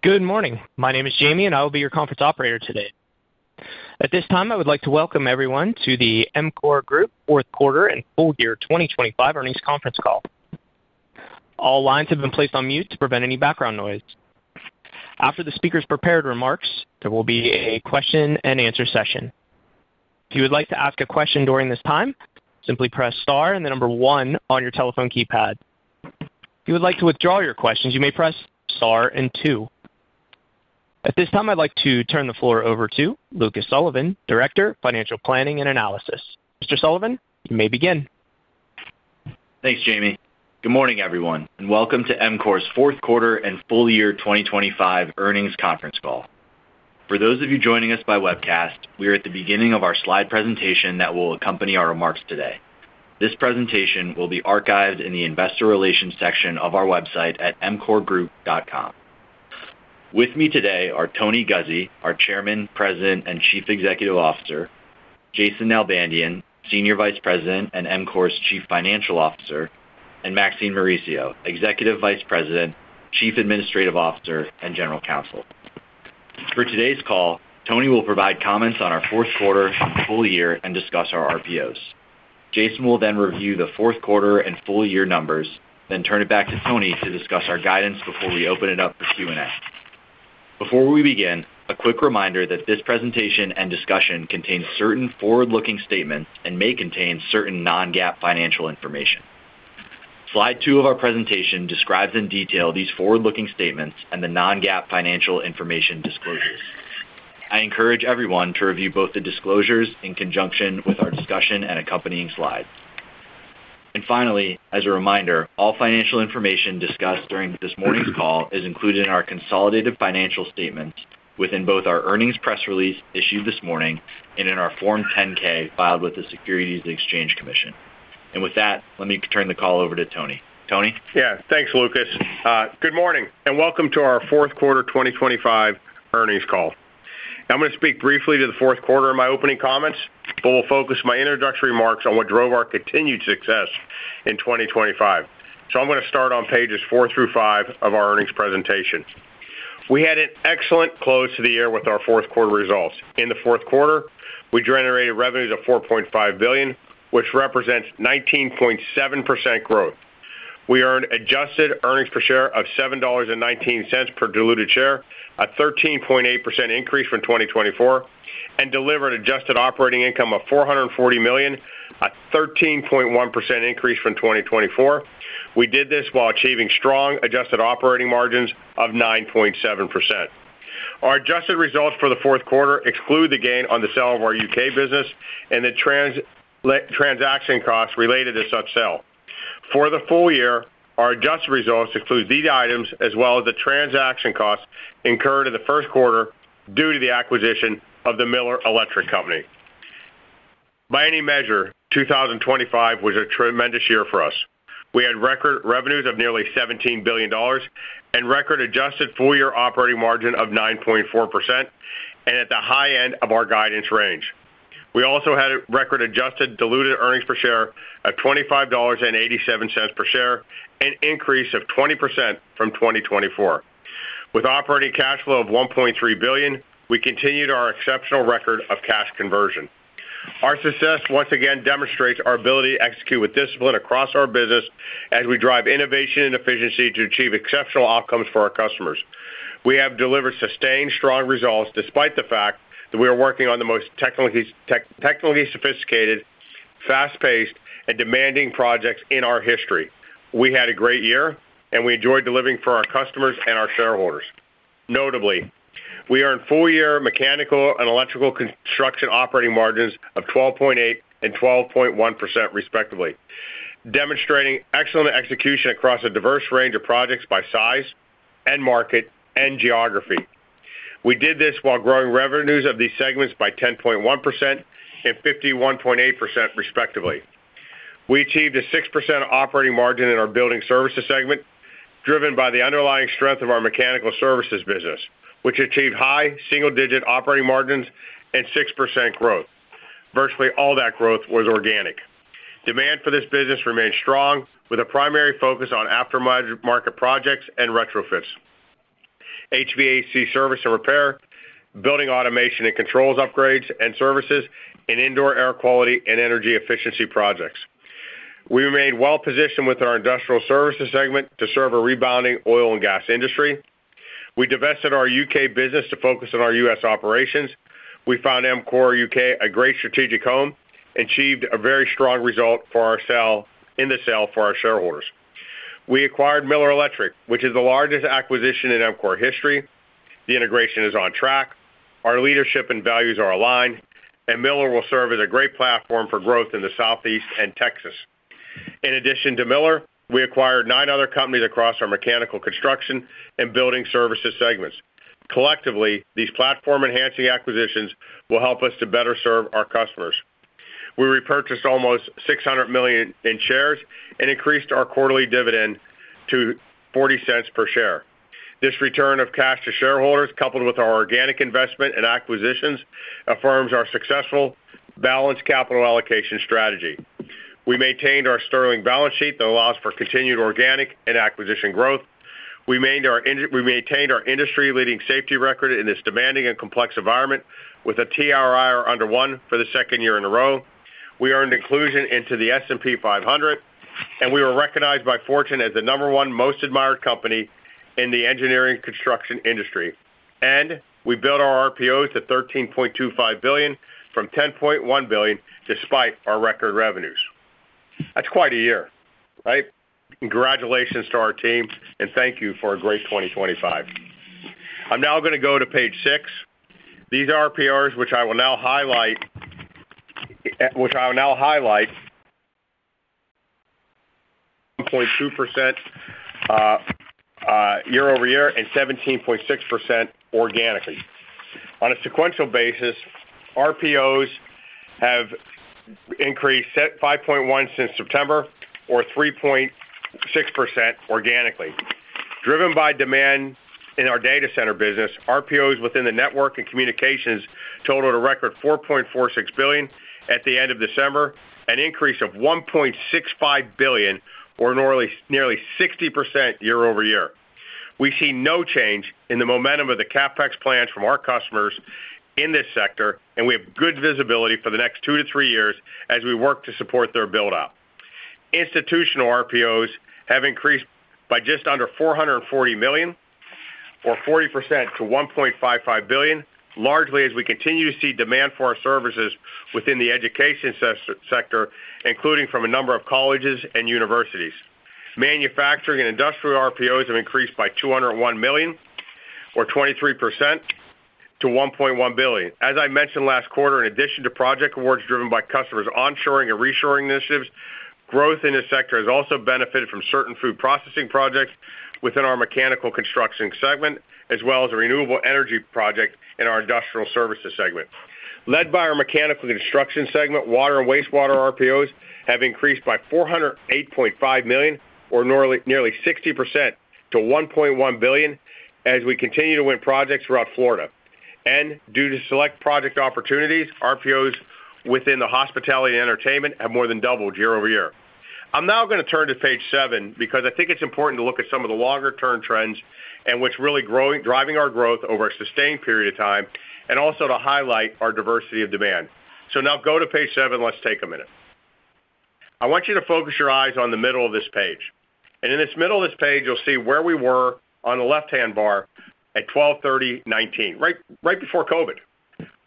Good morning. My name is Jamie, and I will be your conference operator today. At this time, I would like to welcome everyone to the EMCOR Group Fourth Quarter and Full Year 2025 Earnings Conference Call. All lines have been placed on mute to prevent any background noise. After the speaker's prepared remarks, there will be a question-and-answer session. If you would like to ask a question during this time, simply press star and one on your telephone keypad. If you would like to withdraw your questions, you may press star and two. At this time, I'd like to turn the floor over to Lucas Sullivan, Director, Financial Planning and Analysis. Mr. Sullivan, you may begin. Thanks, Jamie. Good morning, everyone, and welcome to EMCOR's Fourth Quarter and Full Year 2025 Earnings Conference Call. For those of you joining us by webcast, we are at the beginning of our slide presentation that will accompany our remarks today. This presentation will be archived in the investor relations section of our website at emcorgroup.com. With me today are Tony Guzzi, our Chairman, President, and Chief Executive Officer, Jason Nalbandian, Senior Vice President and EMCOR's Chief Financial Officer, and Maxine Mauricio, Executive Vice President, Chief Administrative Officer, and General Counsel. For today's call, Tony will provide comments on our fourth quarter, full year, and discuss our RPOs. Jason will review the fourth quarter and full year numbers, then turn it back to Tony to discuss our guidance before we open it up for Q&A. Before we begin, a quick reminder that this presentation and discussion contains certain forward-looking statements and may contain certain non-GAAP financial information. Slide two of our presentation describes in detail these forward-looking statements and the non-GAAP financial information disclosures. I encourage everyone to review both the disclosures in conjunction with our discussion and accompanying slides. Finally, as a reminder, all financial information discussed during this morning's call is included in our consolidated financial statements within both our earnings press release issued this morning and in our Form 10-K filed with the Securities and Exchange Commission. With that, let me turn the call over to Tony. Tony? Yeah. Thanks, Lucas. Good morning, welcome to our Fourth Quarter 2025 Earnings Call. I'm gonna speak briefly to the fourth quarter in my opening comments, we'll focus my introductory remarks on what drove our continued success in 2025. I'm gonna start on pages four through five of our earnings presentation. We had an excellent close to the year with our fourth quarter results. In the fourth quarter, we generated revenues of $4.5 billion, which represents 19.7% growth. We earned adjusted earnings per share of $7.19 per diluted share, a 13.8% increase from 2024, delivered adjusted operating income of $440 million, a 13.1% increase from 2024. We did this while achieving strong adjusted operating margins of 9.7%. Our adjusted results for the fourth quarter exclude the gain on the sale of our U.K. business and the transaction costs related to such sale. For the full year, our adjusted results include these items as well as the transaction costs incurred in the first quarter due to the acquisition of the Miller Electric Company. By any measure, 2025 was a tremendous year for us. We had record revenues of nearly $17 billion and record adjusted full-year operating margin of 9.4%, and at the high end of our guidance range. We also had a record adjusted diluted earnings per share of $25.87 per share, an increase of 20% from 2024. With operating cash flow of $1.3 billion, we continued our exceptional record of cash conversion. Our success once again demonstrates our ability to execute with discipline across our business as we drive innovation and efficiency to achieve exceptional outcomes for our customers. We have delivered sustained, strong results despite the fact that we are working on the most technically sophisticated, fast-paced, and demanding projects in our history. We had a great year. We enjoyed delivering for our customers and our shareholders. Notably, we earned full-year mechanical and Electrical Construction operating margins of 12.8% and 12.1%, respectively, demonstrating excellent execution across a diverse range of projects by size and market and geography. We did this while growing revenues of these segments by 10.1% and 51.8%, respectively. We achieved a 6% operating margin in our Building Services segment, driven by the underlying strength of our mechanical services business, which achieved high single-digit operating margins and 6% growth. Virtually all that growth was organic. Demand for this business remained strong, with a primary focus on after-market projects and retrofits, HVAC service and repair, building automation and controls upgrades and services, and indoor air quality and energy efficiency projects. We remained well-positioned with our Industrial Services segment to serve a rebounding oil and gas industry. We divested our U.K. business to focus on our U.S. operations. We found EMCOR UK a great strategic home and achieved a very strong result in the sale for our shareholders. We acquired Miller Electric, which is the largest acquisition in EMCOR history. The integration is on track, our leadership and values are aligned. Miller will serve as a great platform for growth in the Southeast and Texas. In addition to Miller, we acquired nine other companies across our Mechanical Construction and Building Services segments. Collectively, these platform-enhancing acquisitions will help us to better serve our customers. We repurchased almost $600 million in shares and increased our quarterly dividend to $0.40 per share. This return of cash to shareholders, coupled with our organic investment and acquisitions, affirms our balanced capital allocation strategy. We maintained our sterling balance sheet that allows for continued organic and acquisition growth. We maintained our industry-leading safety record in this demanding and complex environment, with a TRI under one for the second year in a row. We earned inclusion into the S&P 500, and we were recognized by Fortune as the number one most admired company in the engineering construction industry. We built our RPO to $13.25 billion from $10.1 billion, despite our record revenues. That's quite a year, right? Congratulations to our team, and thank you for a great 2025. I'm now gonna go to page six. These RPOs, which I will now highlight, 0.2% year-over-year and 17.6% organically. On a sequential basis, RPOs have increased at 5.1% since September or 3.6% organically. Driven by demand in our data center business, RPOs within the network and communications totaled a record $4.46 billion at the end of December, an increase of $1.65 billion, or nearly 60% year-over-year. We see no change in the momentum of the CapEx plans from our customers in this sector, and we have good visibility for the next two to three years as we work to support their buildup. Institutional RPOs have increased by just under $440 million, or 40% to $1.55 billion, largely as we continue to see demand for our services within the education sector, including from a number of colleges and universities. Manufacturing and industrial RPOs have increased by $201 million, or 23%, to $1.1 billion. As I mentioned last quarter, in addition to project awards driven by customers onshoring and reshoring initiatives, growth in this sector has also benefited from certain food processing projects within our Mechanical Construction segment, as well as a renewable energy project in our Industrial Services segment. Led by our Mechanical Construction segment, water and wastewater RPOs have increased by $408 million, or nearly 60% to $1.1 billion, as we continue to win projects throughout Florida. Due to select project opportunities, RPOs within the hospitality and entertainment have more than doubled year-over-year. I'm now gonna turn to page seven because I think it's important to look at some of the longer-term trends and what's really growing, driving our growth over a sustained period of time, and also to highlight our diversity of demand. Now go to page seven, let's take a minute. I want you to focus your eyes on the middle of this page. In this middle of this page, you'll see where we were on the left-hand bar at 12/30/2019, right before COVID.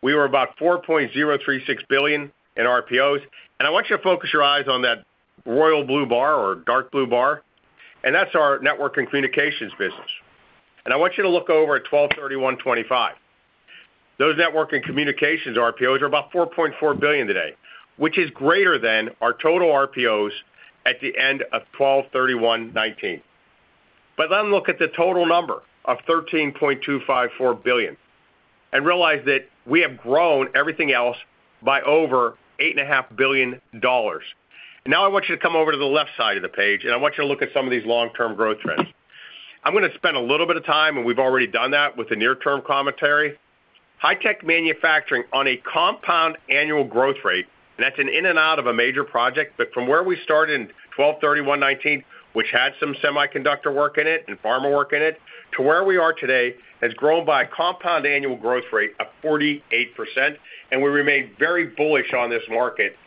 We were about $4.036 billion in RPOs, I want you to focus your eyes on that royal blue bar or dark blue bar, that's our network and communications business. I want you to look over at 12/31/2025. Those network and communications RPOs are about $4.4 billion today, which is greater than our total RPOs at the end of 12/31/2019. Look at the total number of $13.254 billion and realize that we have grown everything else by over $8.5 billion. Now I want you to come over to the left side of the page, and I want you to look at some of these long-term growth trends. I'm gonna spend a little bit of time, and we've already done that with the near term commentary. High tech manufacturing on a compound annual growth rate, and that's an in and out of a major project, but from where we started in 12/31/2019, which had some semiconductor work in it and pharma work in it, to where we are today, has grown by a compound annual growth rate of 48%, and we remain very bullish on this market.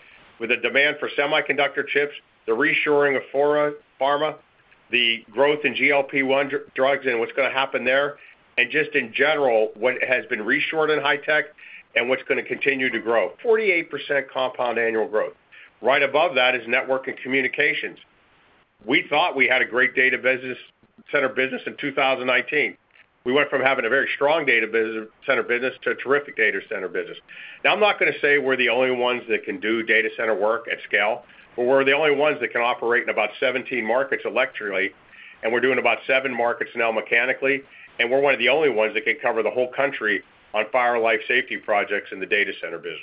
With the demand for semiconductor chips, the reshoring of pharma, the growth in GLP-1 drugs and what's gonna happen there, and just in general, what has been reshored in high tech and what's gonna continue to grow. 48% compound annual growth. Right above that is network and communications. We thought we had a great data center business in 2019. We went from having a very strong data center business to a terrific data center business. I'm not gonna say we're the only ones that can do data center work at scale, but we're the only ones that can operate in about 17 markets electrically, and we're doing about seven markets now mechanically, and we're one of the only ones that can cover the whole country on fire life safety projects in the data center business.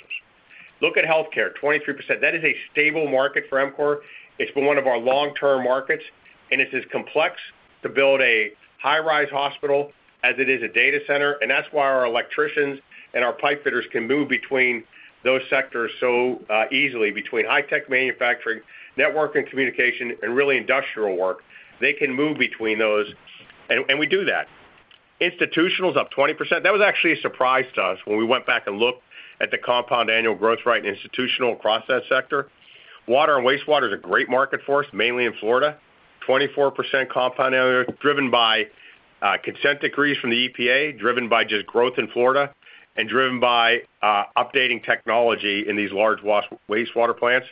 Look at healthcare, 23%. That is a stable market for EMCOR. It's been one of our long-term markets, and it is complex to build a high-rise hospital as it is a data center, and that's why our electricians and our pipe fitters can move between those sectors so easily, between high tech manufacturing, network and communication, and really industrial work. They can move between those, and we do that. Institutional is up 20%. That was actually a surprise to us when we went back and looked at the compound annual growth rate in institutional across that sector. Water and wastewater is a great market for us, mainly in Florida. 24% compound annual, driven by consent decrees from the EPA, driven by just growth in Florida, and driven by updating technology in these large wastewater plants.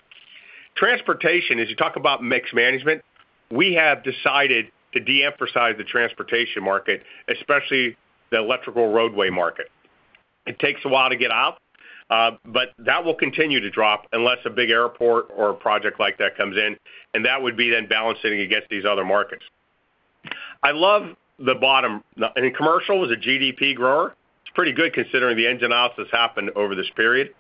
Transportation, as you talk about mixed management, we have decided to de-emphasize the transportation market, especially the electrical roadway market. It takes a while to get out, but that will continue to drop unless a big airport or a project like that comes in, and that would be then balancing against these other markets. I love the bottom. Commercial is a GDP grower. It's pretty good considering the engine office has happened over this period.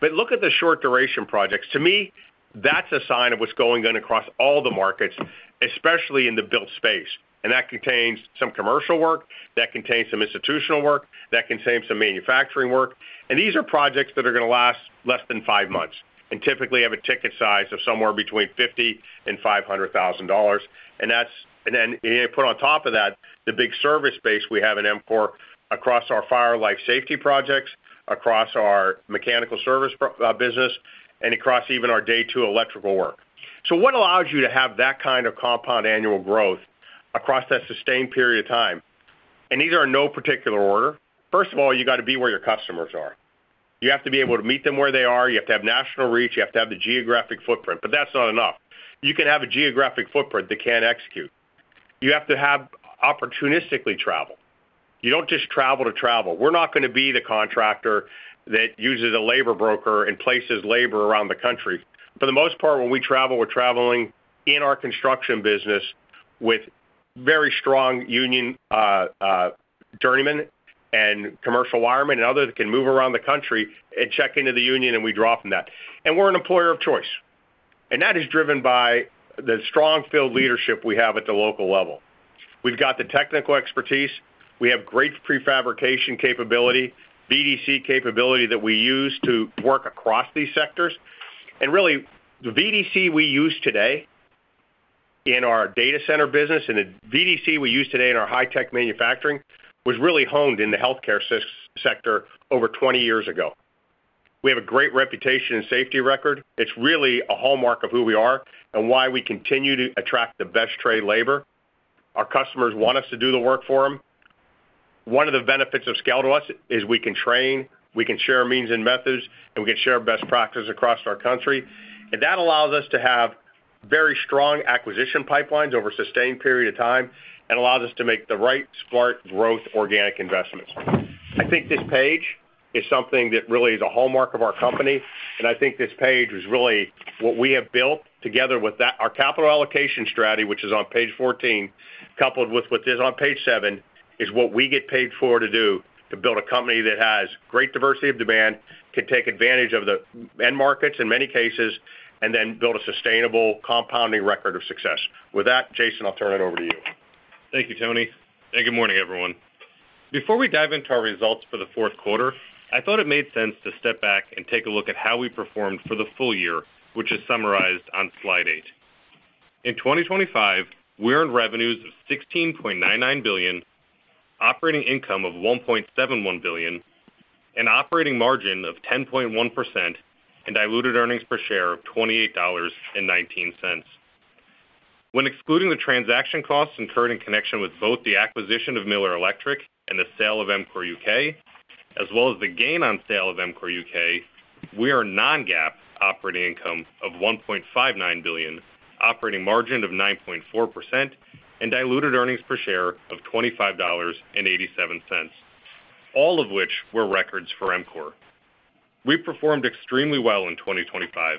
Look at the short duration projects. To me, that's a sign of what's going on across all the markets, especially in the build space, and that contains some commercial work, that contains some institutional work, that contains some manufacturing work. These are projects that are gonna last less than five months and typically have a ticket size of somewhere between $50,000 and $500,000. That's. Then you put on top of that, the big service space we have in EMCOR across our fire life safety projects, across our mechanical service pro business, and across even our day two electrical work. What allows you to have that kind of compound annual growth across that sustained period of time? These are in no particular order. First of all, you got to be where your customers are. You have to be able to meet them where they are, you have to have national reach, you have to have the geographic footprint, but that's not enough. You can have a geographic footprint that can't execute. You have to have opportunistically travel. You don't just travel to travel. We're not gonna be the contractor that uses a labor broker and places labor around the country. For the most part, when we travel, we're traveling in our construction business with very strong union, journeymen and commercial wiremen and others that can move around the country and check into the union, and we draw from that. We're an employer of choice, and that is driven by the strong field leadership we have at the local level. We've got the technical expertise. We have great prefabrication capability, VDC capability that we use to work across these sectors. Really, the VDC we use today in our data center business, and the VDC we use today in our high-tech manufacturing, was really honed in the healthcare sector over 20 years ago. We have a great reputation and safety record. It's really a hallmark of who we are and why we continue to attract the best trade labor. Our customers want us to do the work for them. One of the benefits of scale to us is we can train, we can share means and methods, and we can share best practices across our country. And that allows us to have very strong acquisition pipelines over a sustained period of time and allows us to make the right smart growth organic investments. I think this page is something that really is a hallmark of our company, and I think this page is really what we have built together with that. Our capital allocation strategy, which is on page 14, coupled with what is on page seven, is what we get paid for to do to build a company that has great diversity of demand, can take advantage of the end markets in many cases, and then build a sustainable compounding record of success. With that, Jason, I'll turn it over to you. Thank you, Tony. Good morning, everyone. Before we dive into our results for the fourth quarter, I thought it made sense to step back and take a look at how we performed for the full year, which is summarized on slide eight. In 2025, we earned revenues of $16.99 billion, operating income of $1.71 billion, an operating margin of 10.1%, and diluted earnings per share of $28.19. When excluding the transaction costs incurred in connection with both the acquisition of Miller Electric and the sale of EMCOR UK, as well as the gain on sale of EMCOR UK, we are a non-GAAP operating income of $1.59 billion, operating margin of 9.4%, and diluted earnings per share of $25.87, all of which were records for EMCOR. We performed extremely well in 2025,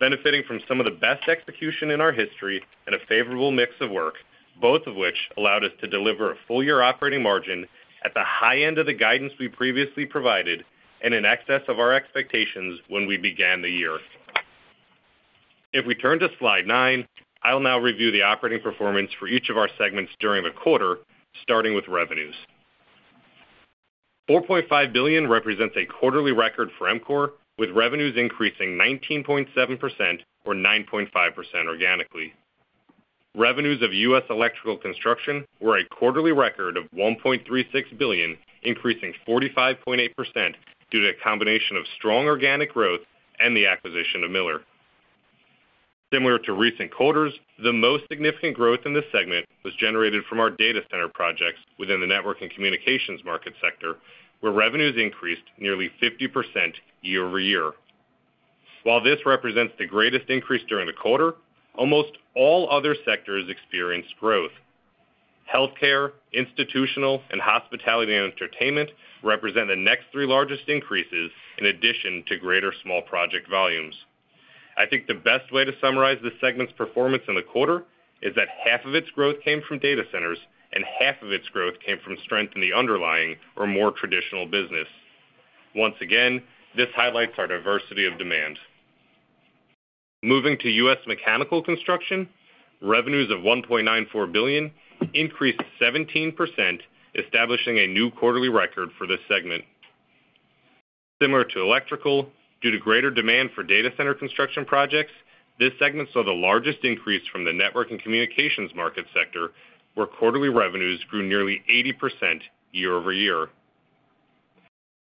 benefiting from some of the best execution in our history and a favorable mix of work, both of which allowed us to deliver a full year operating margin at the high end of the guidance we previously provided and in excess of our expectations when we began the year. If we turn to slide nine, I'll now review the operating performance for each of our segments during the quarter, starting with revenues. $4.5 billion represents a quarterly record for EMCOR, with revenues increasing 19.7% or 9.5% organically. Revenues of U.S. Electrical Construction were a quarterly record of $1.36 billion, increasing 45.8% due to a combination of strong organic growth and the acquisition of Miller. Similar to recent quarters, the most significant growth in this segment was generated from our data center projects within the network and communications market sector, where revenues increased nearly 50% year-over-year. While this represents the greatest increase during the quarter, almost all other sectors experienced growth. Healthcare, institutional, and hospitality and entertainment represent the next three largest increases in addition to greater small project volumes. I think the best way to summarize this segment's performance in the quarter is that half of its growth came from data centers, and half of its growth came from strength in the underlying or more traditional business. Once again, this highlights our diversity of demand. Moving to U.S. Mechanical Construction, revenues of $1.94 billion increased 17%, establishing a new quarterly record for this segment. Similar to electrical, due to greater demand for data center construction projects, this segment saw the largest increase from the network and communications market sector, where quarterly revenues grew nearly 80% year-over-year.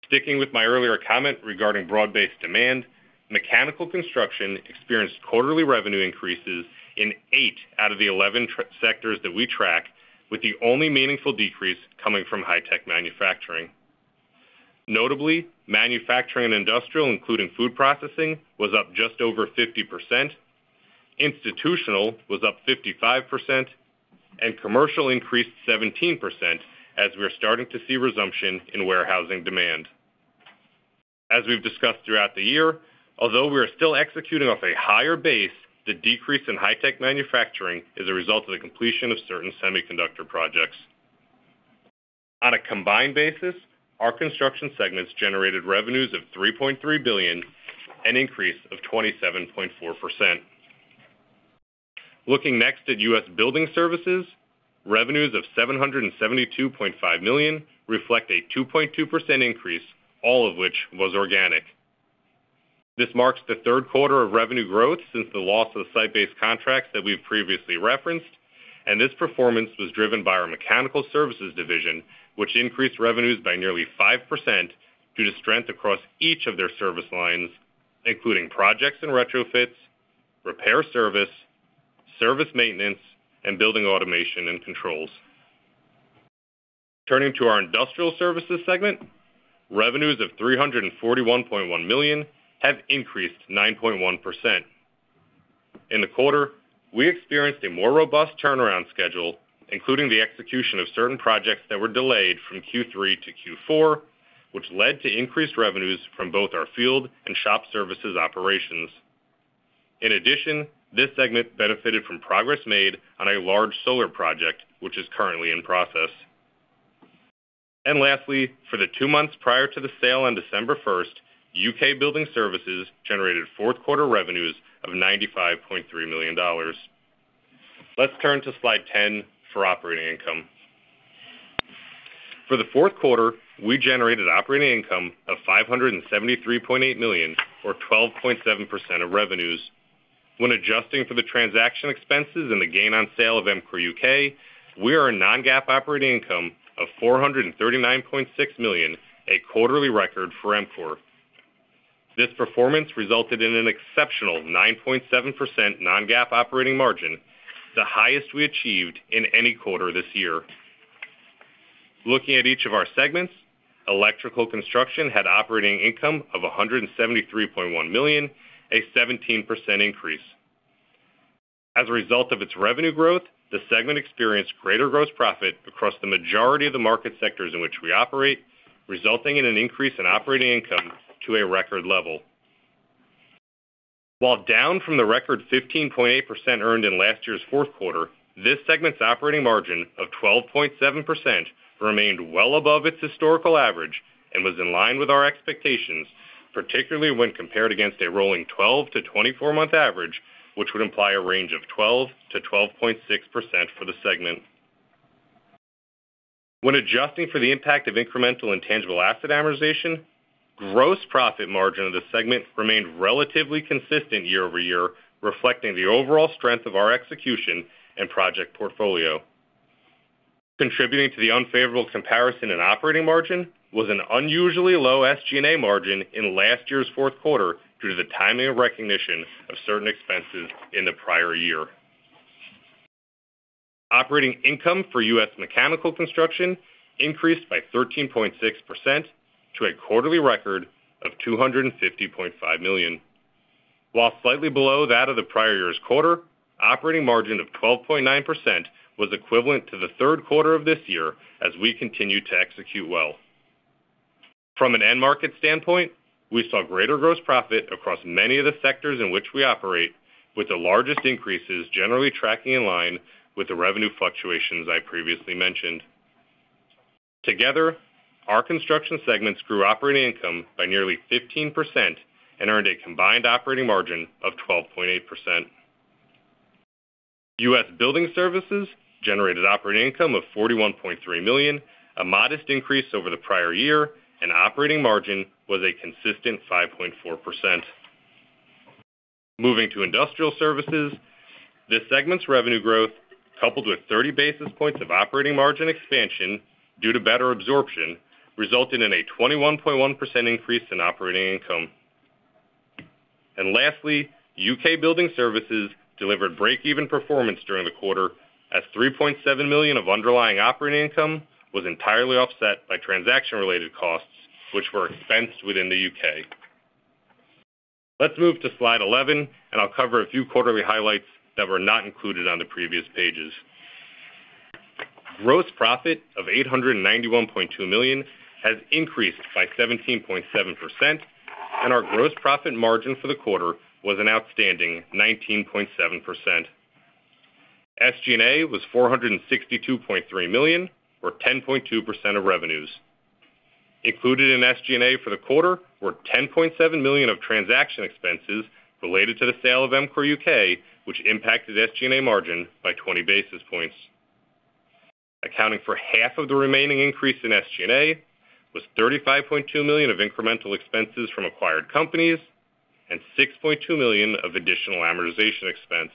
Sticking with my earlier comment regarding broad-based demand, Mechanical Construction experienced quarterly revenue increases in eight out of the 11 sectors that we track, with the only meaningful decrease coming from high-tech manufacturing. Notably, manufacturing and industrial, including food processing, was up just over 50%, institutional was up 55%, and commercial increased 17%, as we are starting to see resumption in warehousing demand. As we've discussed throughout the year, although we are still executing off a higher base, the decrease in high-tech manufacturing is a result of the completion of certain semiconductor projects. On a combined basis, our construction segments generated revenues of $3.3 billion, an increase of 27.4%. Looking next at U.S. Building Services, revenues of $772.5 million reflect a 2.2% increase, all of which was organic. This marks the third quarter of revenue growth since the loss of the site-based contracts that we've previously referenced, and this performance was driven by our mechanical services division, which increased revenues by nearly 5% due to strength across each of their service lines, including projects and retrofits, repair service maintenance, and building automation and controls. Turning to our Industrial Services segment, revenues of $341.1 million have increased 9.1%. In the quarter, we experienced a more robust turnaround schedule, including the execution of certain projects that were delayed from Q3 to Q4, which led to increased revenues from both our field and shop services operations. This segment benefited from progress made on a large solar project, which is currently in process. For the two months prior to the sale on December 1st, U.K. Building Services generated fourth quarter revenues of $95.3 million. Let's turn to Slide 10 for operating income. For the fourth quarter, we generated operating income of $573.8 million, or 12.7% of revenues. When adjusting for the transaction expenses and the gain on sale of EMCOR UK, we are a non-GAAP operating income of $439.6 million, a quarterly record for EMCOR. This performance resulted in an exceptional 9.7% non-GAAP operating margin, the highest we achieved in any quarter this year. Looking at each of our segments, Electrical Construction had operating income of $173.1 million, a 17% increase. As a result of its revenue growth, the segment experienced greater gross profit across the majority of the market sectors in which we operate, resulting in an increase in operating income to a record level. While down from the record 15.8% earned in last year's fourth quarter, this segment's operating margin of 12.7% remained well above its historical average and was in line with our expectations, particularly when compared against a rolling 12-24 month average, which would imply a range of 12%-12.6% for the segment. When adjusting for the impact of incremental intangible asset amortization, gross profit margin of the segment remained relatively consistent year-over-year, reflecting the overall strength of our execution and project portfolio. Contributing to the unfavorable comparison and operating margin was an unusually low SG&A margin in last year's fourth quarter, due to the timing and recognition of certain expenses in the prior year. Operating income for Mechanical Construction increased by 13.6% to a quarterly record of $250.5 million. While slightly below that of the prior year's quarter, operating margin of 12.9% was equivalent to the third quarter of this year as we continued to execute well. From an end market standpoint, we saw greater gross profit across many of the sectors in which we operate, with the largest increases generally tracking in line with the revenue fluctuations I previously mentioned. Together, our construction segments grew operating income by nearly 15% and earned a combined operating margin of 12.8%. U.S. Building Services generated operating income of $41.3 million, a modest increase over the prior year, and operating margin was a consistent 5.4%. Moving to Industrial Services, this segment's revenue growth, coupled with 30 basis points of operating margin expansion due to better absorption, resulted in a 21.1% increase in operating income. Lastly, U.K. Building Services delivered break-even performance during the quarter, as $3.7 million of underlying operating income was entirely offset by transaction-related costs, which were expensed within the U.K. Let's move to slide 11. I'll cover a few quarterly highlights that were not included on the previous pages. Gross profit of $891.2 million has increased by 17.7%, and our gross profit margin for the quarter was an outstanding 19.7%. SG&A was $462.3 million, or 10.2% of revenues. Included in SG&A for the quarter were $10.7 million of transaction expenses related to the sale of EMCOR UK, which impacted SG&A margin by 20 basis points. Accounting for half of the remaining increase in SG&A was $35.2 million of incremental expenses from acquired companies and $6.2 million of additional amortization expense.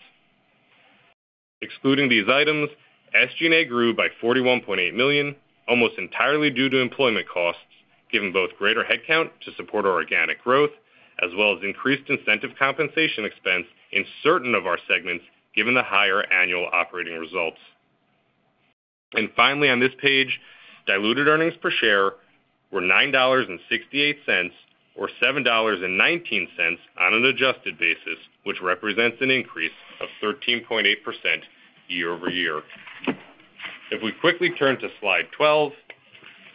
Excluding these items, SG&A grew by $41.8 million, almost entirely due to employment costs, given both greater headcount to support our organic growth, as well as increased incentive compensation expense in certain of our segments, given the higher annual operating results. Finally, on this page, diluted earnings per share were $9.68, or $7.19 on an adjusted basis, which represents an increase of 13.8% year-over-year. We quickly turn to slide 12,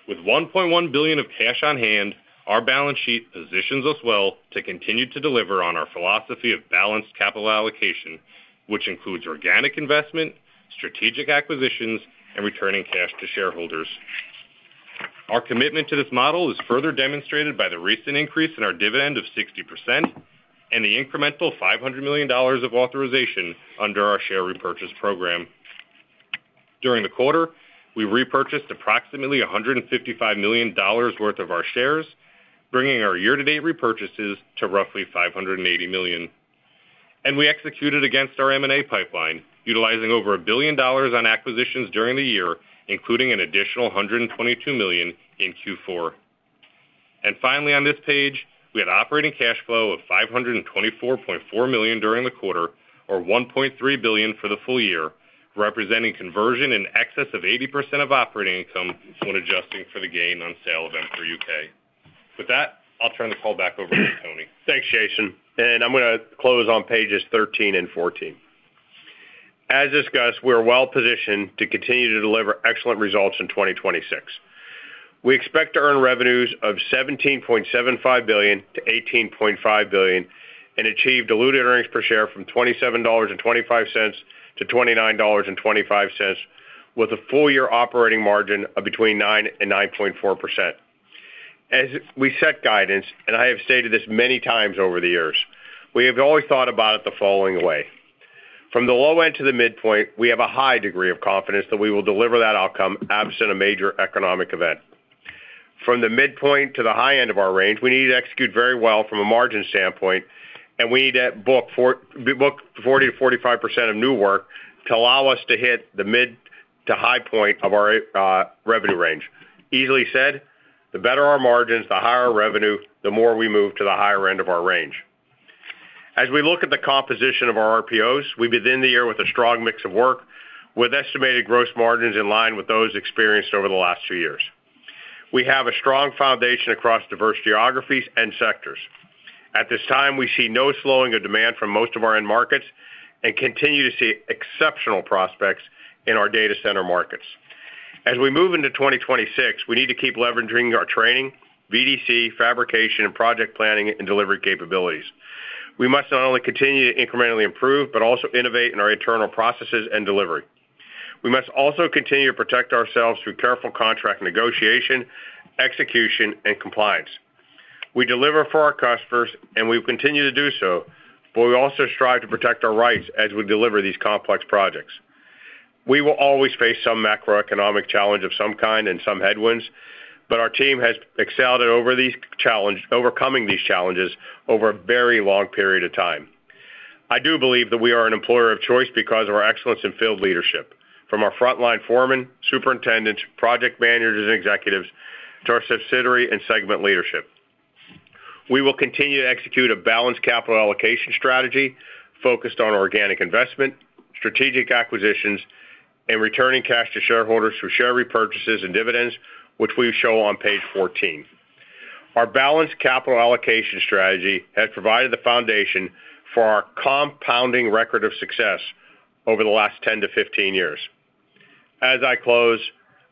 with $1.1 billion of cash on hand, our balance sheet positions us well to continue to deliver on our philosophy of balanced capital allocation, which includes organic investment, strategic acquisitions, and returning cash to shareholders. Our commitment to this model is further demonstrated by the recent increase in our dividend of 60% and the incremental $500 million of authorization under our share repurchase program. During the quarter, we repurchased approximately $155 million worth of our shares, bringing our year-to-date repurchases to roughly $580 million. We executed against our M&A pipeline, utilizing over $1 billion on acquisitions during the year, including an additional $122 million in Q4. Finally, on this page, we had operating cash flow of $524.4 million during the quarter, or $1.3 billion for the full year, representing conversion in excess of 80% of operating income when adjusting for the gain on sale of EMCOR UK. With that, I'll turn the call back over to Tony. Thanks, Jason. I'm gonna close on pages 13 and 14. As discussed, we're well positioned to continue to deliver excellent results in 2026. We expect to earn revenues of $17.75 billion-$18.5 billion and achieve diluted earnings per share from $27.25-$29.25, with a full year operating margin of between 9% and 9.4%. As we set guidance, and I have stated this many times over the years, we have always thought about it the following way: From the low end to the midpoint, we have a high degree of confidence that we will deliver that outcome absent a major economic event. From the midpoint to the high end of our range, we need to execute very well from a margin standpoint, and we need to book 40%-45% of new work to allow us to hit the mid-to-high point of our revenue range. Easily said, the better our margins, the higher our revenue, the more we move to the higher end of our range. As we look at the composition of our RPOs, we begin the year with a strong mix of work, with estimated gross margins in line with those experienced over the last two years. We have a strong foundation across diverse geographies and sectors. At this time, we see no slowing of demand from most of our end markets and continue to see exceptional prospects in our data center markets. As we move into 2026, we need to keep leveraging our training, VDC, fabrication, and project planning and delivery capabilities. We must not only continue to incrementally improve, but also innovate in our internal processes and delivery. We must also continue to protect ourselves through careful contract negotiation, execution, and compliance. We deliver for our customers, and we continue to do so, but we also strive to protect our rights as we deliver these complex projects. We will always face some macroeconomic challenge of some kind and some headwinds, but our team has excelled at overcoming these challenges over a very long period of time. I do believe that we are an employer of choice because of our excellence in field leadership, from our frontline foremen, superintendents, project managers, and executives, to our subsidiary and segment leadership. We will continue to execute a balanced capital allocation strategy focused on organic investment, strategic acquisitions, and returning cash to shareholders through share repurchases and dividends, which we show on page 14. Our balanced capital allocation strategy has provided the foundation for our compounding record of success over the last 10-15 years. As I close,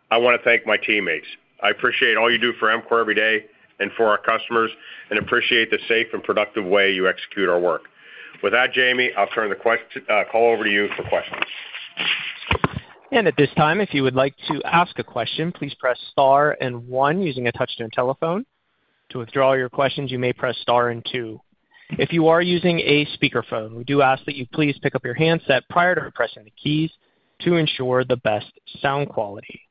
I want to thank my teammates. I appreciate all you do for EMCOR every day and for our customers, and appreciate the safe and productive way you execute our work. With that, Jamie, I'll turn the call over to you for questions. At this time, if you would like to ask a question, please press star and one using a touch-tone telephone. To withdraw your questions, you may press star and two. If you are using a speakerphone, we do ask that you please pick up your handset prior to pressing the keys to ensure the best sound quality.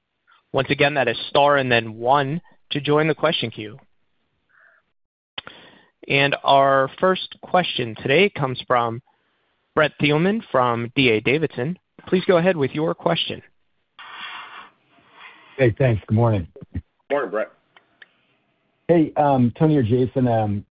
Once again, that is star and then one to join the question queue. Our first question today comes from Brent Thielman from D.A. Davidson. Please go ahead with your question. Hey, thanks. Good morning. Good morning, Brent. Tony or Jason,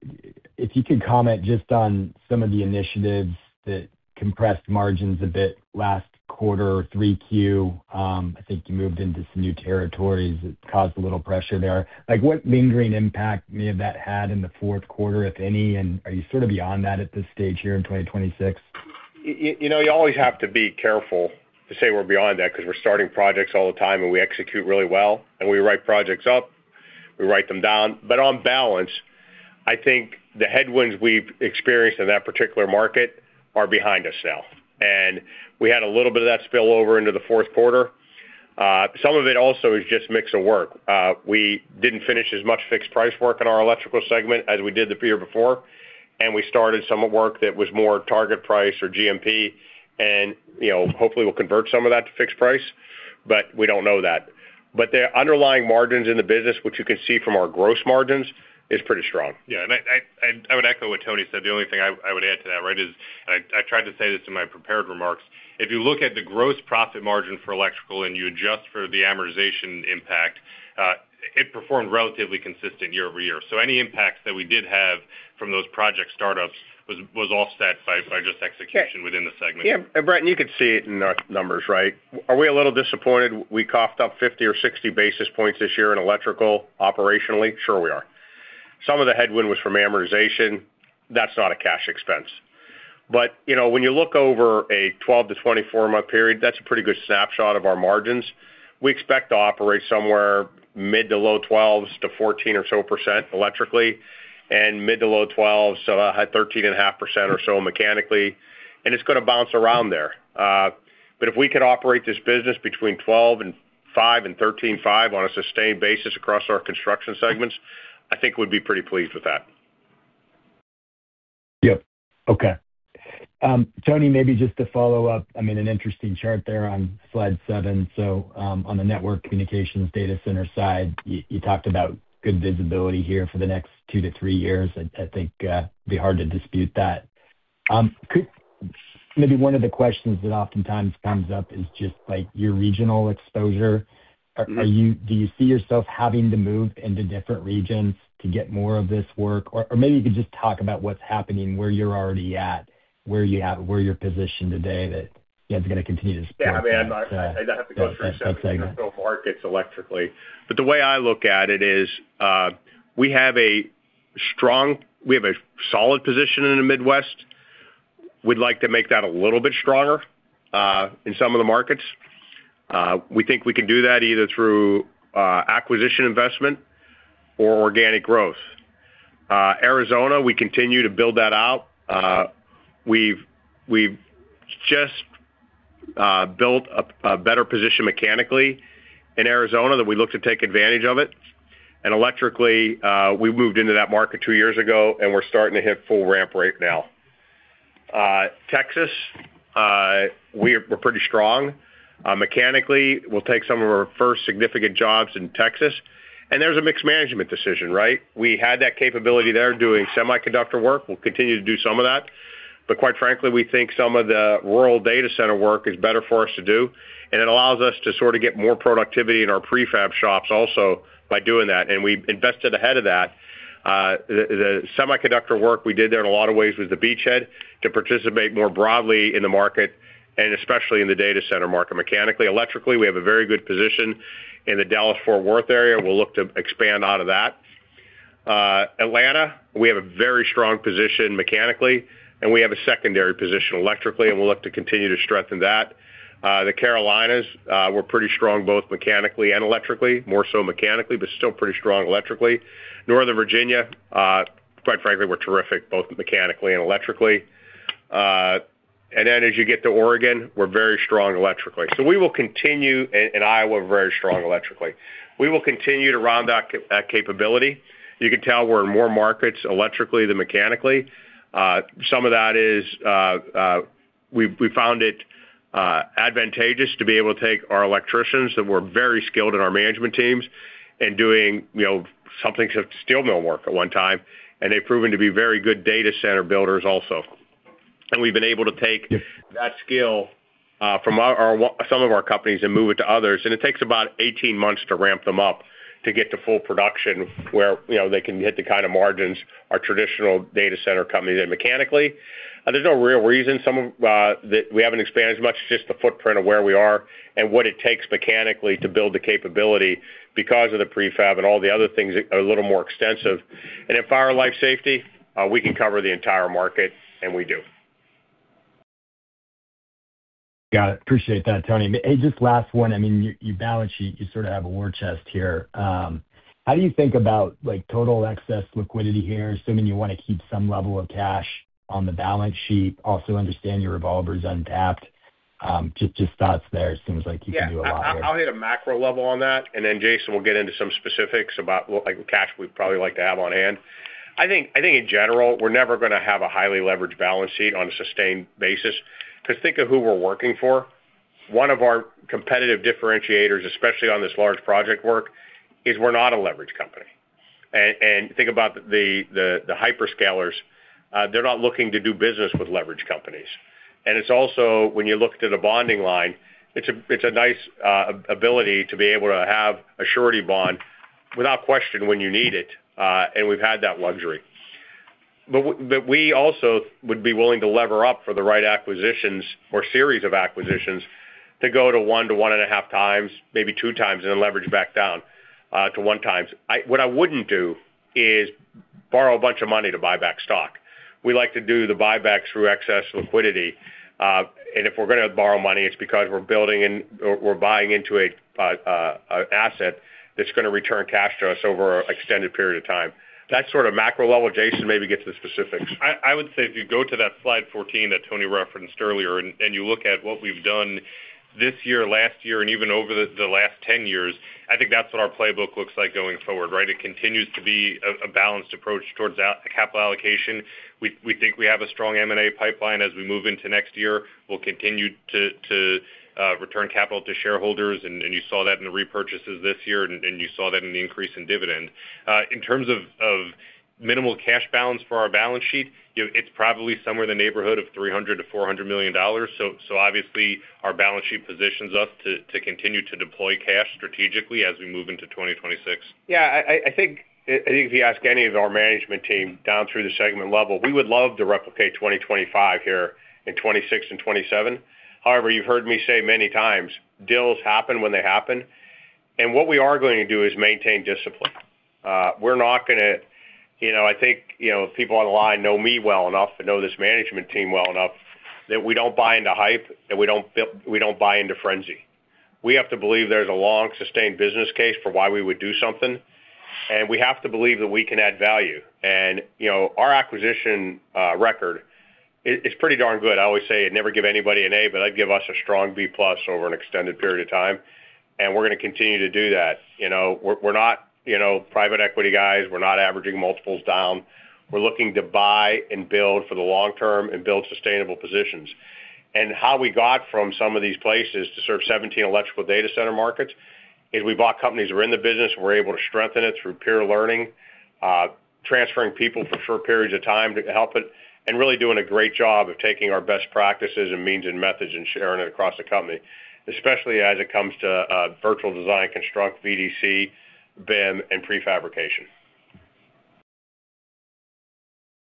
if you could comment just on some of the initiatives that compressed margins a bit last quarter, 3Q. I think you moved into some new territories that caused a little pressure there. Like, what lingering impact may have that had in the fourth quarter, if any, and are you sort of beyond that at this stage here in 2026? You know, you always have to be careful to say we're beyond that, 'cause we're starting projects all the time, and we execute really well, and we write projects up, we write them down. On balance, I think the headwinds we've experienced in that particular market are behind us now, and we had a little bit of that spill over into the fourth quarter. Some of it also is just mix of work. We didn't finish as much fixed price work in our electrical segment as we did the year before, and we started some work that was more target price or GMP. You know, hopefully, we'll convert some of that to fixed price, but we don't know that. The underlying margins in the business, which you can see from our gross margins, is pretty strong. Yeah, I would echo what Tony said. The only thing I would add to that, right, is, I tried to say this in my prepared remarks: If you look at the gross profit margin for electrical and you adjust for the amortization impact, it performed relatively consistent year-over-year. Any impacts that we did have from those project startups was offset by just execution within the segment. Brent, you can see it in our numbers, right? Are we a little disappointed we coughed up 50 or 60 basis points this year in electrical operationally? Sure, we are. Some of the headwind was from amortization. That's not a cash expense. You know, when you look over a 12-24 month period, that's a pretty good snapshot of our margins. We expect to operate somewhere mid to low 12s to 14% or so electrically, and mid to low 12s, so, at 13.5% or so mechanically, and it's gonna bounce around there. If we could operate this business between 12.5% and 13.5% on a sustained basis across our construction segments, I think we'd be pretty pleased with that. Yep. Okay. Tony, maybe just to follow up, I mean, an interesting chart there on slide seven. On the network communications data center side, you talked about good visibility here for the next two to three years. I think it'd be hard to dispute that. Maybe one of the questions that oftentimes comes up is just, like, your regional exposure. Mm-hmm. Are you do you see yourself having to move into different regions to get more of this work? Maybe you could just talk about what's happening, where you're already at, where you're positioned today, that you guys are gonna continue to support that segment? Yeah, I mean, I'd have to go through several markets electrically. The way I look at it is, we have a solid position in the Midwest. We'd like to make that a little bit stronger in some of the markets. We think we can do that either through acquisition investment or organic growth. Arizona, we continue to build that out. We've just built a better position mechanically in Arizona, that we look to take advantage of it. Electrically, we moved into that market two years ago, and we're starting to hit full ramp right now. Texas, we're pretty strong. Mechanically, we'll take some of our first significant jobs in Texas, and there's a mixed management decision, right? We had that capability there doing semiconductor work. We'll continue to do some of that. Quite frankly, we think some of the rural data center work is better for us to do. It allows us to sort of get more productivity in our prefab shops also by doing that. We invested ahead of that. The semiconductor work we did there in a lot of ways, was the beachhead to participate more broadly in the market, especially in the data center market, mechanically. Electrically, we have a very good position in the Dallas-Fort Worth area. We'll look to expand out of that. Atlanta, we have a very strong position mechanically. We have a secondary position electrically. We'll look to continue to strengthen that. The Carolinas, we're pretty strong, both mechanically and electrically, more so mechanically, but still pretty strong electrically. Northern Virginia, quite frankly, we're terrific, both mechanically and electrically. As you get to Oregon, we're very strong electrically. We will continue. Iowa, very strong electrically. We will continue to round out that capability. You can tell we're in more markets electrically than mechanically. Some of that is, we found it advantageous to be able to take our electricians that were very skilled in our management teams and doing, you know, something to steel mill work at one time, and they've proven to be very good data center builders also. We've been able to take that skill from some of our companies and move it to others, and it takes about 18 months to ramp them up to get to full production, where, you know, they can hit the kind of margins our traditional data center companies have mechanically. There's no real reason some of that we haven't expanded as much, it's just the footprint of where we are and what it takes mechanically to build the capability because of the prefab and all the other things are a little more extensive. In fire life safety, we can cover the entire market, and we do. Got it. Appreciate that, Tony. Just last one, I mean, your balance sheet, you sort of have a war chest here. How do you think about, like, total excess liquidity here, assuming you want to keep some level of cash on the balance sheet, also understand your revolver's untapped? Just thoughts there. Seems like you can do a lot here. Yeah. I'll hit a macro level on that, and then Jason will get into some specifics about what, like, cash we'd probably like to have on hand. I think in general, we're never gonna have a highly leveraged balance sheet on a sustained basis. To think of who we're working for, one of our competitive differentiators, especially on this large project work, is we're not a leveraged company. Think about the hyperscalers, they're not looking to do business with leveraged companies. It's also, when you look to the bonding line, it's a nice ability to be able to have a surety bond without question when you need it, and we've had that luxury. We also would be willing to lever up for the right acquisitions or series of acquisitions to go to 1-1.5 times, maybe two times, and then leverage back down to one times. What I wouldn't do is borrow a bunch of money to buy back stock. We like to do the buyback through excess liquidity, and if we're gonna borrow money, it's because we're building in or we're buying into an asset that's gonna return cash to us over an extended period of time. That's sort of macro level. Jason, maybe get to the specifics. I would say if you go to that slide 14 that Tony referenced earlier, and you look at what we've done this year, last year, and even over the last 10 years, I think that's what our playbook looks like going forward, right? It continues to be a balanced approach towards capital allocation. We think we have a strong M&A pipeline as we move into next year. We'll continue to return capital to shareholders, and you saw that in the repurchases this year, and you saw that in the increase in dividend. In terms of minimal cash balance for our balance sheet, you know, it's probably somewhere in the neighborhood of $300 million-$400 million. So obviously, our balance sheet positions us to continue to deploy cash strategically as we move into 2026. Yeah, I think if you ask any of our management team down through the segment level, we would love to replicate 2025 here in 2026 and 2027. However, you've heard me say many times, deals happen when they happen. What we are going to do is maintain discipline. We're not gonna, you know, I think, you know, people on the line know me well enough to know this management team well enough, that we don't buy into hype, and we don't buy into frenzy. We have to believe there's a long, sustained business case for why we would do something, and we have to believe that we can add value. You know, our acquisition record is pretty darn good. I always say, I'd never give anybody an A, but I'd give us a strong B plus over an extended period of time, we're gonna continue to do that. You know, we're not, you know, private equity guys, we're not averaging multiples down. We're looking to buy and build for the long term and build sustainable positions. How we got from some of these places to serve 17 electrical data center markets, is we bought companies that were in the business, and we're able to strengthen it through peer learning, transferring people for short periods of time to help it, and really doing a great job of taking our best practices and means and methods and sharing it across the company, especially as it comes to virtual design construct, VDC, BIM, and prefabrication.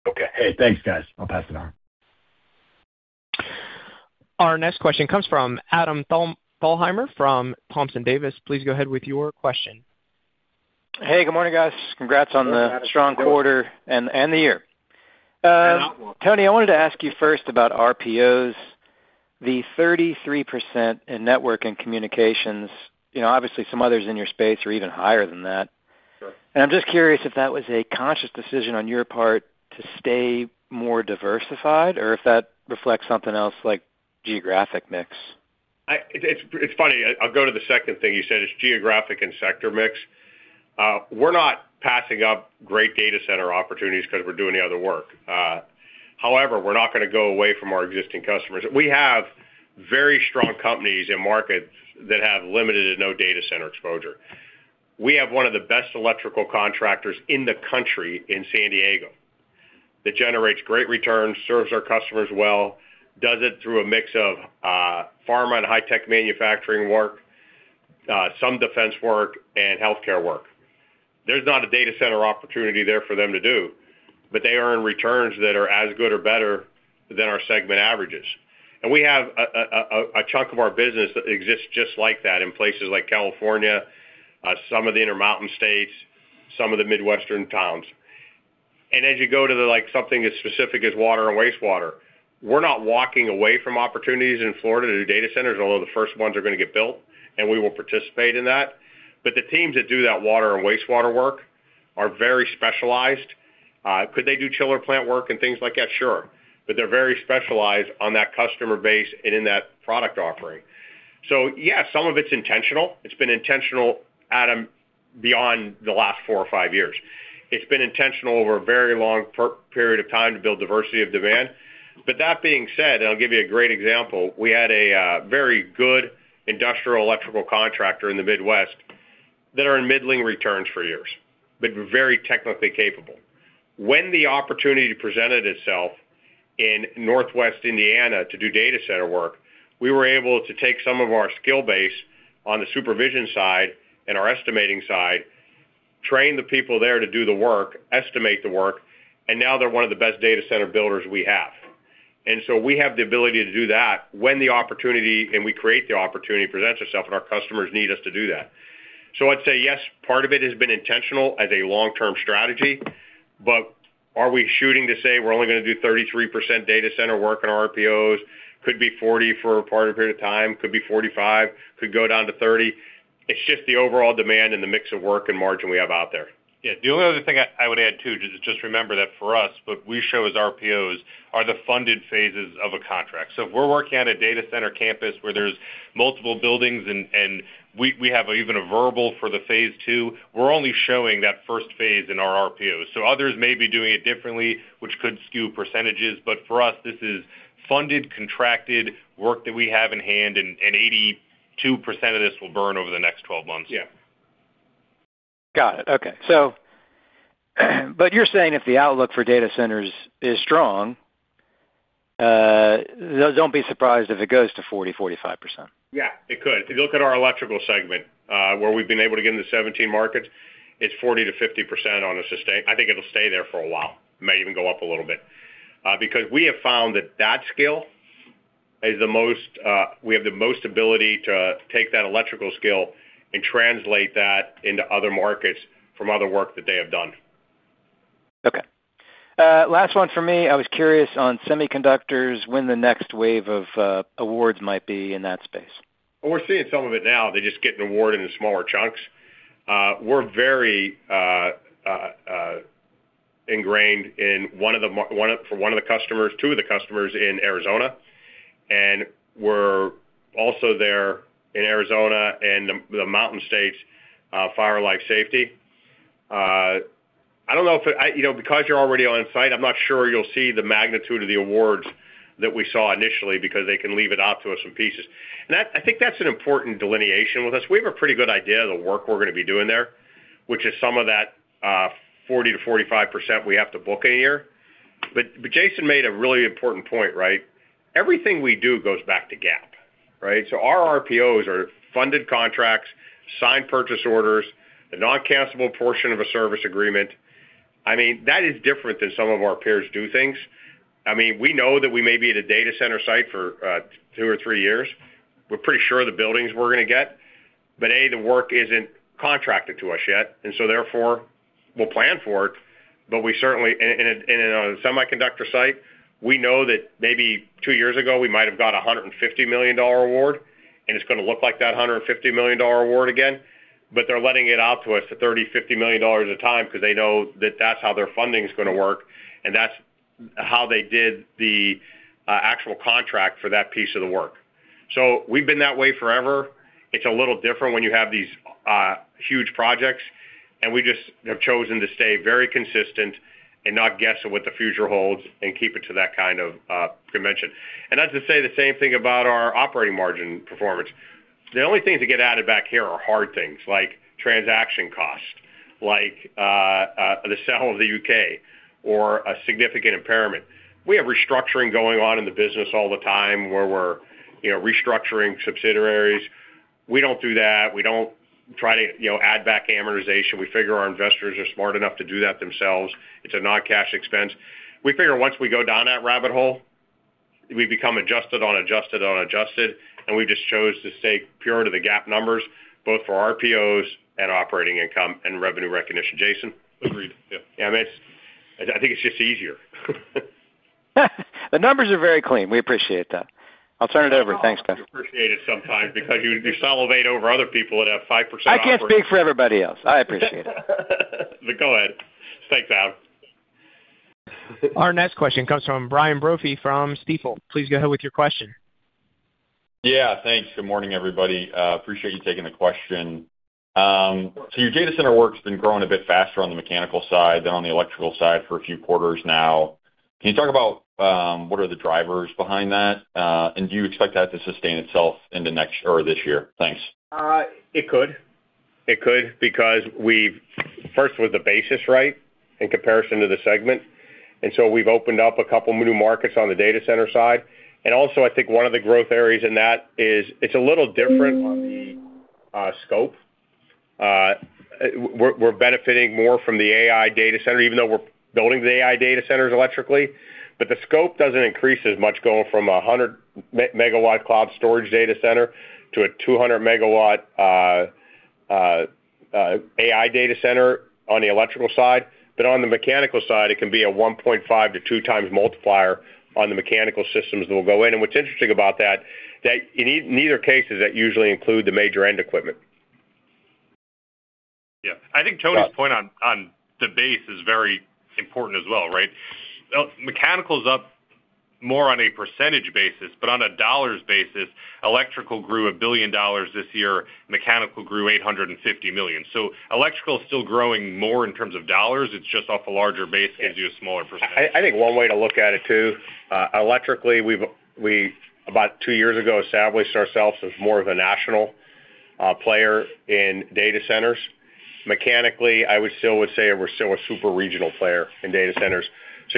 Okay. Hey, thanks, guys. I'll pass it on. Our next question comes from Adam Thalhimer from Thompson Davis. Please go ahead with your question. Hey, good morning, guys. Congrats on the strong quarter and the year. Outlook. Tony, I wanted to ask you first about RPOs, the 33% in network and communications. You know, obviously, some others in your space are even higher than that. Sure. I'm just curious if that was a conscious decision on your part to stay more diversified, or if that reflects something else like geographic mix? It's funny. I'll go to the second thing you said, it's geographic and sector mix. We're not passing up great data center opportunities 'cause we're doing the other work. However, we're not gonna go away from our existing customers. We have very strong companies in markets that have limited and no data center exposure. We have one of the best electrical contractors in the country in San Diego, that generates great returns, serves our customers well, does it through a mix of pharma and high tech manufacturing work, some defense work and healthcare work. There's not a data center opportunity there for them to do, but they are in returns that are as good or better than our segment averages. We have a chunk of our business that exists just like that in places like California, some of the Intermountain states, some of the Midwestern towns. As you go to, like, something as specific as water and wastewater, we're not walking away from opportunities in Florida to do data centers, although the first ones are gonna get built, and we will participate in that. The teams that do that water and wastewater work are very specialized. Could they do chiller plant work and things like that? Sure. But they're very specialized on that customer base and in that product offering. Yeah, some of it's intentional. It's been intentional, Adam, beyond the last four or five years. It's been intentional over a very long period of time to build diversity of demand. That being said, and I'll give you a great example, we had a very good industrial electrical contractor in the Midwest that are in middling returns for years, but very technically capable. When the opportunity presented itself in Northwest Indiana to do data center work, we were able to take some of our skill base on the supervision side and our estimating side, train the people there to do the work, estimate the work, and now they're one of the best data center builders we have. We have the ability to do that when the opportunity, and we create the opportunity, presents itself and our customers need us to do that. I'd say, yes, part of it has been intentional as a long-term strategy, but are we shooting to say we're only gonna do 33% data center work on RPOs? Could be 40% for a part of a period of time, could be 45%, could go down to 30%. It's just the overall demand and the mix of work and margin we have out there. Yeah. The only other thing I would add, too, just remember that for us, what we show as RPOs are the funded phases of a contract. If we're working at a data center campus where there's multiple buildings and we have even a verbal for the phase two, we're only showing that first phase in our RPO. Others may be doing it differently, which could skew percentages, but for us, this is funded, contracted work that we have in hand, and 82% of this will burn over the next 12 months. Yeah. Got it. Okay. You're saying if the outlook for data centers is strong, then don't be surprised if it goes to 40%-45%? Yeah, it could. If you look at our electrical segment, where we've been able to get into 17 markets, it's 40%-50% on a sustain. I think it'll stay there for a while, may even go up a little bit. Because we have found that skill is the most. We have the most ability to take that electrical skill and translate that into other markets from other work that they have done. Last one for me. I was curious on semiconductors, when the next wave of awards might be in that space? We're seeing some of it now. They're just getting award into smaller chunks. We're very ingrained in one of the customers, two of the customers in Arizona, and we're also there in Arizona and the mountain states, fire life safety. I don't know if, you know, because you're already on site, I'm not sure you'll see the magnitude of the awards that we saw initially, because they can leave it out to us in pieces. I think that's an important delineation with us. We have a pretty good idea of the work we're gonna be doing there, which is some of that, 40%-45% we have to book in a year. Jason made a really important point, right? Everything we do goes back to GAAP, right? Our RPOs are funded contracts, signed purchase orders, a non-cancelable portion of a service agreement. That is different than some of our peers do things. We know that we may be at a data center site for two or three years. We're pretty sure the buildings we're gonna get, but, A, the work isn't contracted to us yet, and so therefore, we'll plan for it. We certainly, in a, in a semiconductor site, we know that maybe two years ago, we might have got a $150 million award, and it's gonna look like that $150 million award again. They're letting it out to us for $30 million-$50 million a time because they know that that's how their funding is going to work, and that's how they did the actual contract for that piece of the work. We've been that way forever. It's a little different when you have these huge projects, and we just have chosen to stay very consistent and not guess at what the future holds and keep it to that kind of dimension. That's to say the same thing about our operating margin performance. The only thing to get added back here are hard things like transaction costs, like the sale of the U.K. or a significant impairment. We have restructuring going on in the business all the time, where we're, you know, restructuring subsidiaries. We don't do that. We don't try to, you know, add back amortization. We figure our investors are smart enough to do that themselves. It's a non-cash expense. We figure once we go down that rabbit hole, we become adjusted on adjusted on adjusted, and we just chose to stay pure to the GAAP numbers, both for RPOs and operating income and revenue recognition. Jason? Agreed, yeah. Yeah, I mean, I think it's just easier. The numbers are very clean. We appreciate that. I'll turn it over. Thanks, guys. We appreciate it sometimes because you salivate over other people that have 5%- I can't speak for everybody else. I appreciate it. Go ahead. Thanks, Adam. Our next question comes from Brian Brophy from Stifel. Please go ahead with your question. Yeah, thanks. Good morning, everybody. Appreciate you taking the question. Your data center work's been growing a bit faster on the mechanical side than on the electrical side for a few quarters now. Can you talk about what are the drivers behind that? Do you expect that to sustain itself in the next or this year? Thanks. It could. It could, because we've first with the basis, right, in comparison to the segment. We've opened up a couple of new markets on the data center side. Also, I think one of the growth areas in that is it's a little different on the scope. We're benefiting more from the AI data center, even though we're building the AI data centers electrically. The scope doesn't increase as much, going from a 100 megawatt cloud storage data center to a 200 megawatt AI data center on the electrical side, but on the mechanical side, it can be a 1.5 to two times multiplier on the mechanical systems that will go in. What's interesting about that in either cases, that usually include the major end equipment. Yeah. I think Tony's point on the base is very important as well, right? mechanical is up more on a percentage basis, but on a dollar basis, electrical grew $1 billion this year, mechanical grew $850 million. electrical is still growing more in terms of dollar. It's just off a larger base, gives you a smaller %. I think one way to look at it, too, electrically, we, about two years ago, established ourselves as more of a national player in data centers. Mechanically, I would still say we're still a super regional player in data centers.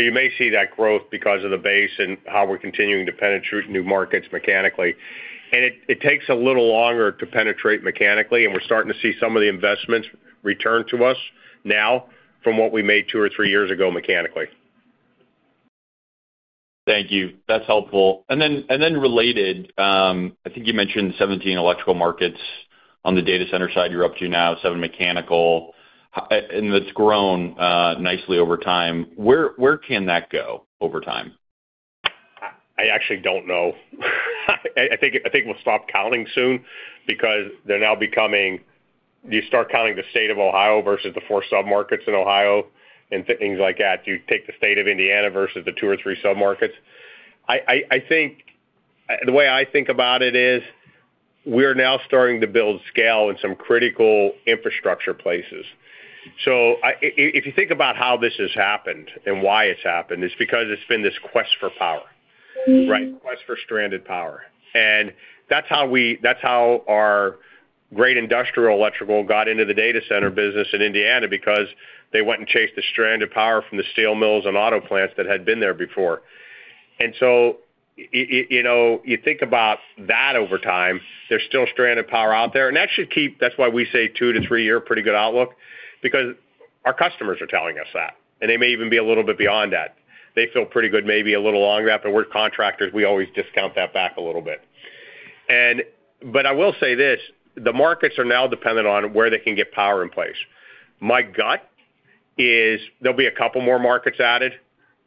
You may see that growth because of the base and how we're continuing to penetrate new markets mechanically. It takes a little longer to penetrate mechanically, and we're starting to see some of the investments return to us now from what we made two or three years ago, mechanically. Thank you. That's helpful. Then, and then related, I think you mentioned 17 electrical markets on the data center side, you're up to now seven mechanical, and it's grown nicely over time. Where can that go over time? I actually don't know. I think we'll stop counting soon because they're now becoming. Do you start counting the state of Ohio versus the four submarkets in Ohio and things like that? Do you take the state of Indiana versus the two or three submarkets? I think, the way I think about it is, we're now starting to build scale in some critical infrastructure places. If you think about how this has happened and why it's happened, it's because it's been this quest for power, right? Quest for stranded power. That's how that's how our great industrial electrical got into the data center business in Indiana because they went and chased the stranded power from the steel mills and auto plants that had been there before. You know, you think about that over time, there's still stranded power out there. That should keep. That's why we say two to three year, pretty good outlook, because our customers are telling us that, and they may even be a little bit beyond that. They feel pretty good, maybe a little longer, but we're contractors, we always discount that back a little bit. I will say this, the markets are now dependent on where they can get power in place. My gut is there'll be a couple more markets added,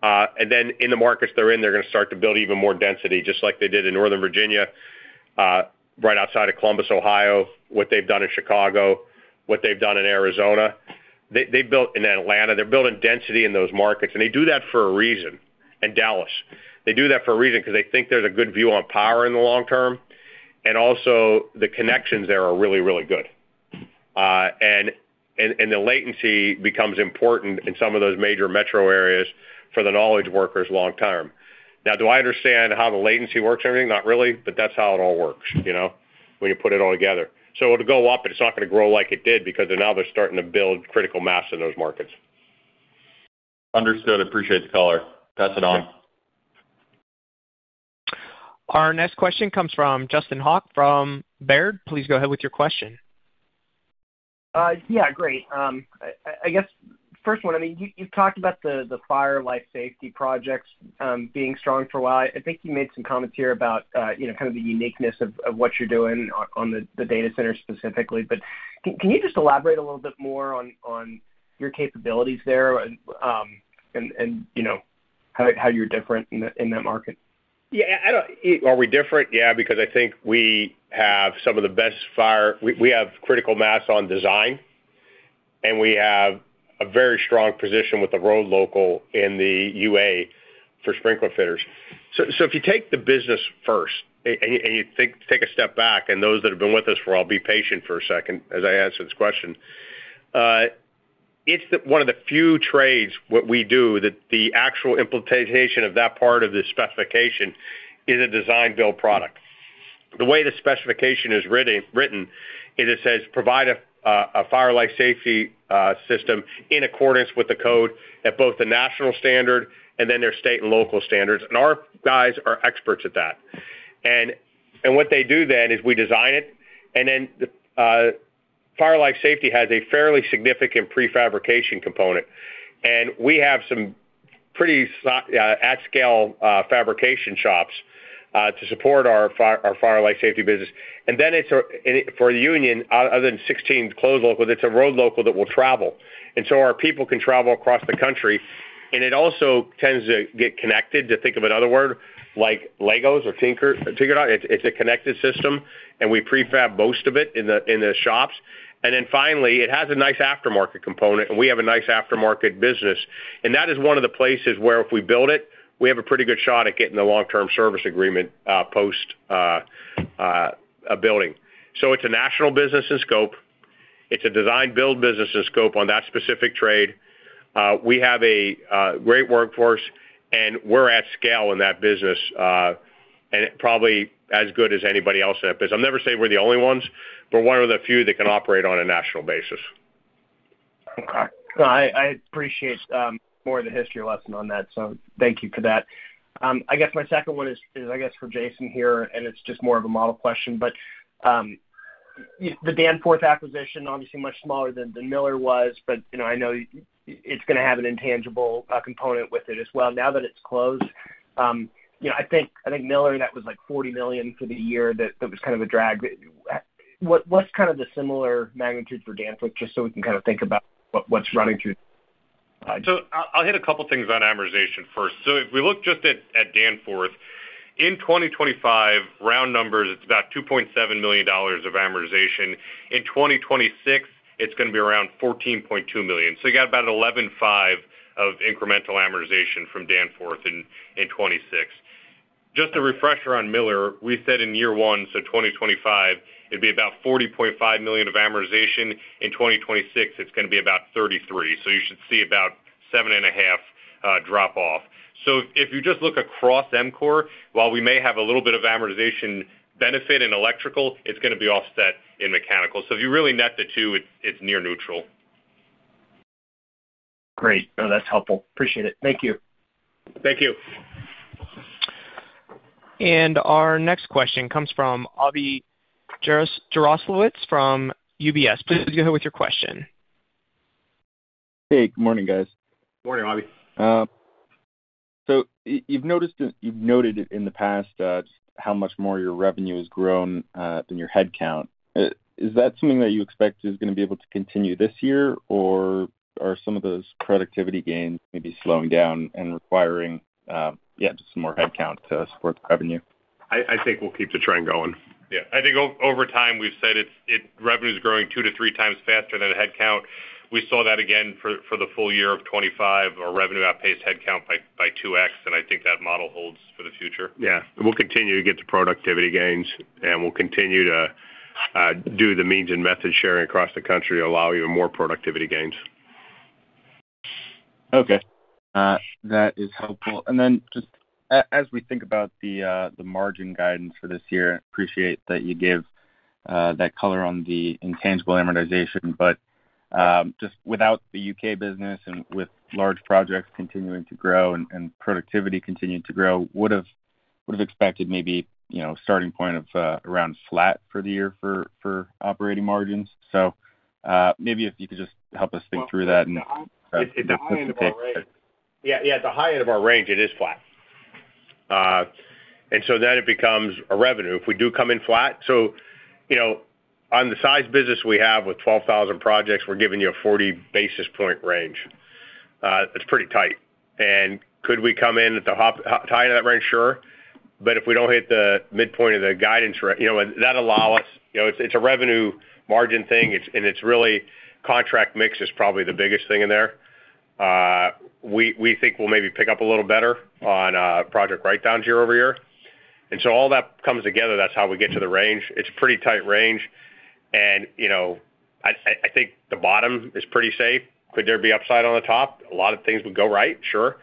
and then in the markets they're in, they're gonna start to build even more density, just like they did in Northern Virginia, right outside of Columbus, Ohio, what they've done in Chicago, what they've done in Arizona. They built in Atlanta. They're building density in those markets. They do that for a reason. In Dallas, they do that for a reason because they think there's a good view on power in the long term, and also the connections there are really, really good. The latency becomes important in some of those major metro areas for the knowledge workers long term. Do I understand how the latency works and everything? Not really, but that's how it all works, you know, when you put it all together. It'll go up, but it's not gonna grow like it did because then now they're starting to build critical mass in those markets. Understood. I appreciate the color. Pass it on. Our next question comes from Justin Hauke from Baird. Please go ahead with your question. Yeah, great. I guess first one, I mean, you've talked about the fire life safety projects being strong for a while. I think you made some comments here about, you know, kind of the uniqueness of what you're doing on the data center specifically. Can you just elaborate a little bit more on your capabilities there? You know, how you're different in that market? Are we different? Because I think we have some of the best. We have critical mass on design, and we have a very strong position with the road local in the UA for sprinkler fitters. If you take the business first and you think, take a step back, and those that have been with us for a while, be patient for a second as I answer this question. It's the one of the few trades, what we do, that the actual implementation of that part of the specification is a design build product. The way the specification is written, is it says, "Provide a fire life safety system in accordance with the code at both the national standard, their state and local standards." Our guys are experts at that. What they do then is we design it, and then, the fire life safety has a fairly significant pre-fabrication component, and we have some pretty at scale fabrication shops to support our fire life safety business. For a union, other than 16 closed local, it's a road local that will travel. Our people can travel across the country, and it also tends to get connected, to think of another word, like LEGOs or Tinker. It's a connected system, and we prefab most of it in the shops. Finally, it has a nice aftermarket component, and we have a nice aftermarket business. That is one of the places where if we build it, we have a pretty good shot at getting the long-term service agreement, post a building. It's a national business in scope. It's a design build business in scope on that specific trade. We have a great workforce, and we're at scale in that business, and probably as good as anybody else in that business. I'll never say we're the only ones, but one of the few that can operate on a national basis. I appreciate more of the history lesson on that, so thank you for that. I guess my second one is, I guess, for Jason here, and it's just more of a model question, but the Danforth acquisition, obviously much smaller than Miller was, but, you know, I know it's gonna have an intangible component with it as well. Now that it's closed, you know, I think Miller, that was like $40 million for the year, that was kind of a drag. What's kind of the similar magnitude for Danforth, just so we can kind of think about what's running through? I'll hit a couple of things on amortization first. If we look just at Danforth, in 2025, round numbers, it's about $2.7 million of amortization. In 2026, it's gonna be around $14.2 million. You got about $11.5 million of incremental amortization from Danforth in 2026. Just a refresher on Miller, we said in year one, so 2025, it'd be about $40.5 million of amortization. In 2026, it's gonna be about $33 million. You should see about $7.5 million drop off. If you just look across EMCOR, while we may have a little bit of amortization benefit in Electrical, it's gonna be offset in Mechanical. If you really net the two, it's near neutral. Great. No, that's helpful. Appreciate it. Thank you. Thank you. Our next question comes from Avi Jaroslawicz from UBS. Please go ahead with your question. Hey, good morning, guys. Morning, Avi. You've noted in the past, how much more your revenue has grown than your headcount. Is that something that you expect is gonna be able to continue this year, or are some of those productivity gains maybe slowing down and requiring just some more headcount to support the revenue? I think we'll keep the trend going. Yeah. I think over time, we've said it's Revenue is growing two to three times faster than headcount. We saw that again for the full year of 2025. Our revenue outpaced headcount by 2x. I think that model holds for the future. Yeah. We'll continue to get to productivity gains, and we'll continue to do the means and methods sharing across the country to allow even more productivity gains. Okay, that is helpful. Just as we think about the margin guidance for this year, appreciate that you gave that color on the intangible amortization. Just without the U.K. business and with large projects continuing to grow and productivity continuing to grow, would've expected maybe, you know, a starting point of around flat for the year for operating margins. Maybe if you could just help us think through that and. It's at the high end of our range. Yeah, at the high end of our range, it is flat. It becomes a revenue. If we do come in flat, you know, on the size business we have with 12,000 projects, we're giving you a 40 basis point range. It's pretty tight. Could we come in at the high end of that range? Sure. If we don't hit the midpoint of the guidance, you know, that allow us, you know, it's a revenue margin thing, it's, and it's really contract mix is probably the biggest thing in there. We think we'll maybe pick up a little better on project write-downs year-over-year. All that comes together, that's how we get to the range. It's a pretty tight range. You know, I think the bottom is pretty safe. Could there be upside on the top? A lot of things would go right, sure.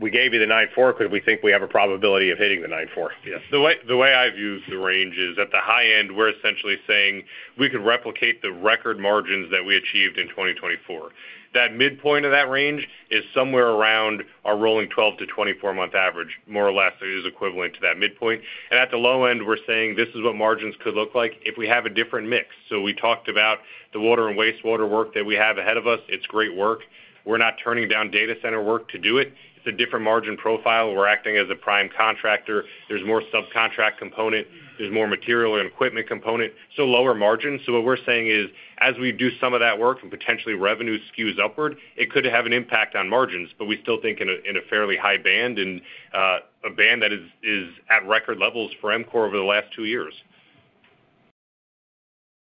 We gave you the 9.4% because we think we have a probability of hitting the 9.4%. Yes, the way I view the range is, at the high end, we're essentially saying we could replicate the record margins that we achieved in 2024. That midpoint of that range is somewhere around our rolling 12-24-month average, more or less, it is equivalent to that midpoint. At the low end, we're saying this is what margins could look like if we have a different mix. We talked about the water and wastewater work that we have ahead of us. It's great work. We're not turning down data center work to do it. It's a different margin profile. We're acting as a prime contractor. There's more subcontract component, there's more material and equipment component, so lower margin. What we're saying is, as we do some of that work and potentially revenue skews upward, it could have an impact on margins, but we still think in a fairly high band and a band that is at record levels for EMCOR over the last two years.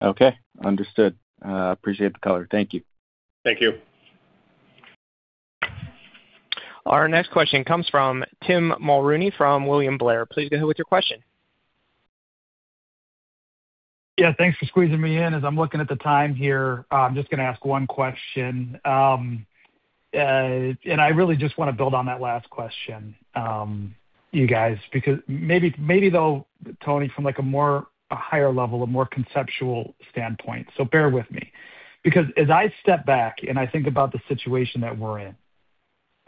Okay, understood. Appreciate the color. Thank you. Thank you. Our next question comes from Tim Mulrooney from William Blair. Please go ahead with your question. Thanks for squeezing me in. As I'm looking at the time here, I'm just going to ask one question. I really just want to build on that last question, you guys, because maybe though, Tony, from, like, a higher level, a more conceptual standpoint, so bear with me. Because as I step back and I think about the situation that we're in,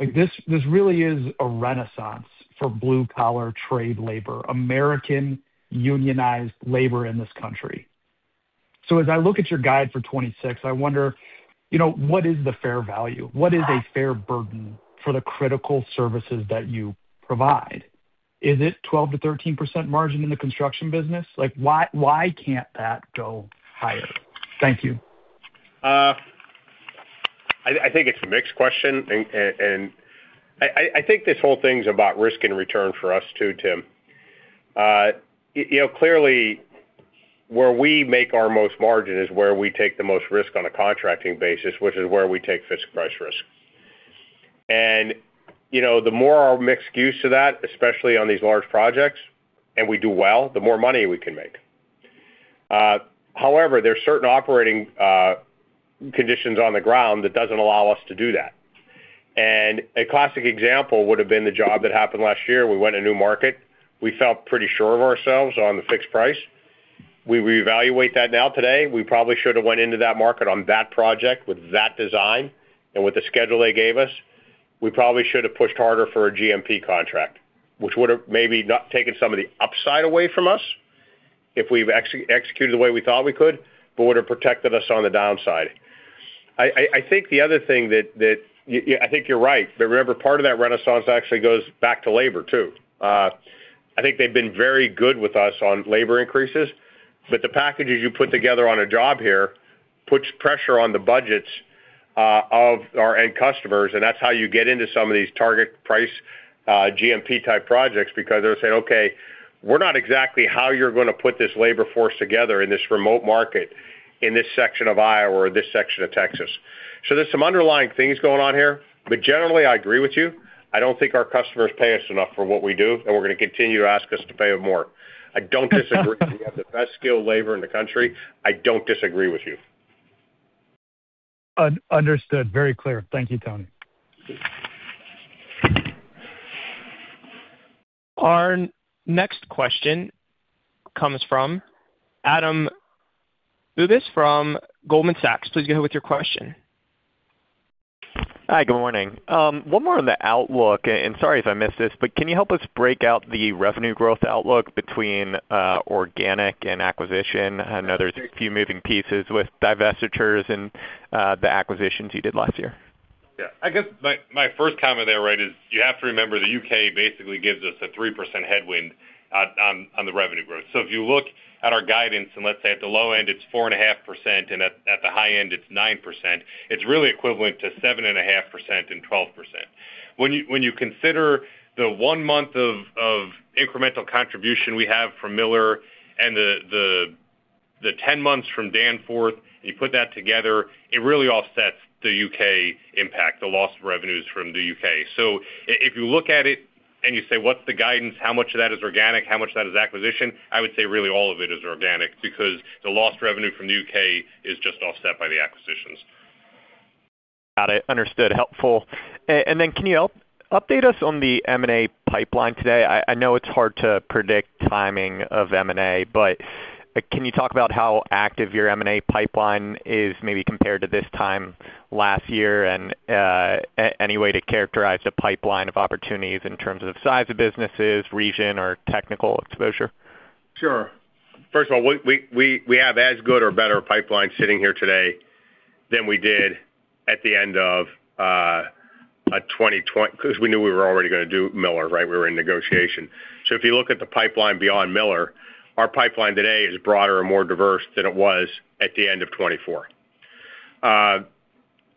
like, this really is a renaissance for blue-collar trade labor, American unionized labor in this country. As I look at your guide for 2026, I wonder, you know, what is the fair value? What is a fair burden for the critical services that you provide? Is it 12%-13% margin in the construction business? Like, why can't that go higher? Thank you. I think it's a mixed question. I think this whole thing's about risk and return for us, too, Tim. You know, clearly, where we make our most margin is where we take the most risk on a contracting basis, which is where we take fixed price risk. You know, the more our mix skews to that, especially on these large projects, and we do well, the more money we can make. However, there are certain operating conditions on the ground that doesn't allow us to do that. A classic example would have been the job that happened last year. We went a new market. We felt pretty sure of ourselves on the fixed price. We reevaluate that now today, we probably should have went into that market on that project with that design and with the schedule they gave us, we probably should have pushed harder for a GMP contract, which would have maybe not taken some of the upside away from us if we've executed the way we thought we could, but would have protected us on the downside. I think the other thing that I think you're right, remember, part of that renaissance actually goes back to labor, too. I think they've been very good with us on labor increases, but the packages you put together on a job here puts pressure on the budgets of our end customers, and that's how you get into some of these target price GMP-type projects, because they're saying, "Okay, we're not exactly how you're going to put this labor force together in this remote market, in this section of Iowa or this section of Texas." There's some underlying things going on here, but generally, I agree with you. I don't think our customers pay us enough for what we do, and we're going to continue to ask us to pay them more. I don't disagree. We have the best-skilled labor in the country. I don't disagree with you. Understood. Very clear. Thank you, Tony. Our next question comes from Adam Bubes from Goldman Sachs. Please go ahead with your question. Hi, good morning. One more on the outlook, and sorry if I missed this, but can you help us break out the revenue growth outlook between organic and acquisition? I know there's a few moving pieces with divestitures and the acquisitions you did last year. Yeah. I guess my first comment there, right, is you have to remember, the U.K. basically gives us a 3% headwind on the revenue growth. If you look at our guidance, and let's say at the low end, it's 4.5%, and at the high end, it's 9%, it's really equivalent to 7.5% and 12%. When you consider the one month of incremental contribution we have from Miller and the 10 months from Danforth, you put that together, it really offsets the U.K. impact, the loss of revenues from the U.K. If you look at it and you say: What's the guidance? How much of that is organic? How much of that is acquisition? I would say really all of it is organic, because the lost revenue from the U.K. is just offset by the acquisitions. Got it. Understood. Helpful. Then can you update us on the M&A pipeline today? I know it's hard to predict timing of M&A, but, can you talk about how active your M&A pipeline is, maybe compared to this time last year? Any way to characterize the pipeline of opportunities in terms of size of businesses, region, or technical exposure? Sure. First of all, we have as good or better pipeline sitting here today than we did at the end of twenty twenty-- because we knew we were already going to do Miller, right? We were in negotiation. If you look at the pipeline beyond Miller, our pipeline today is broader and more diverse than it was at the end of 2024.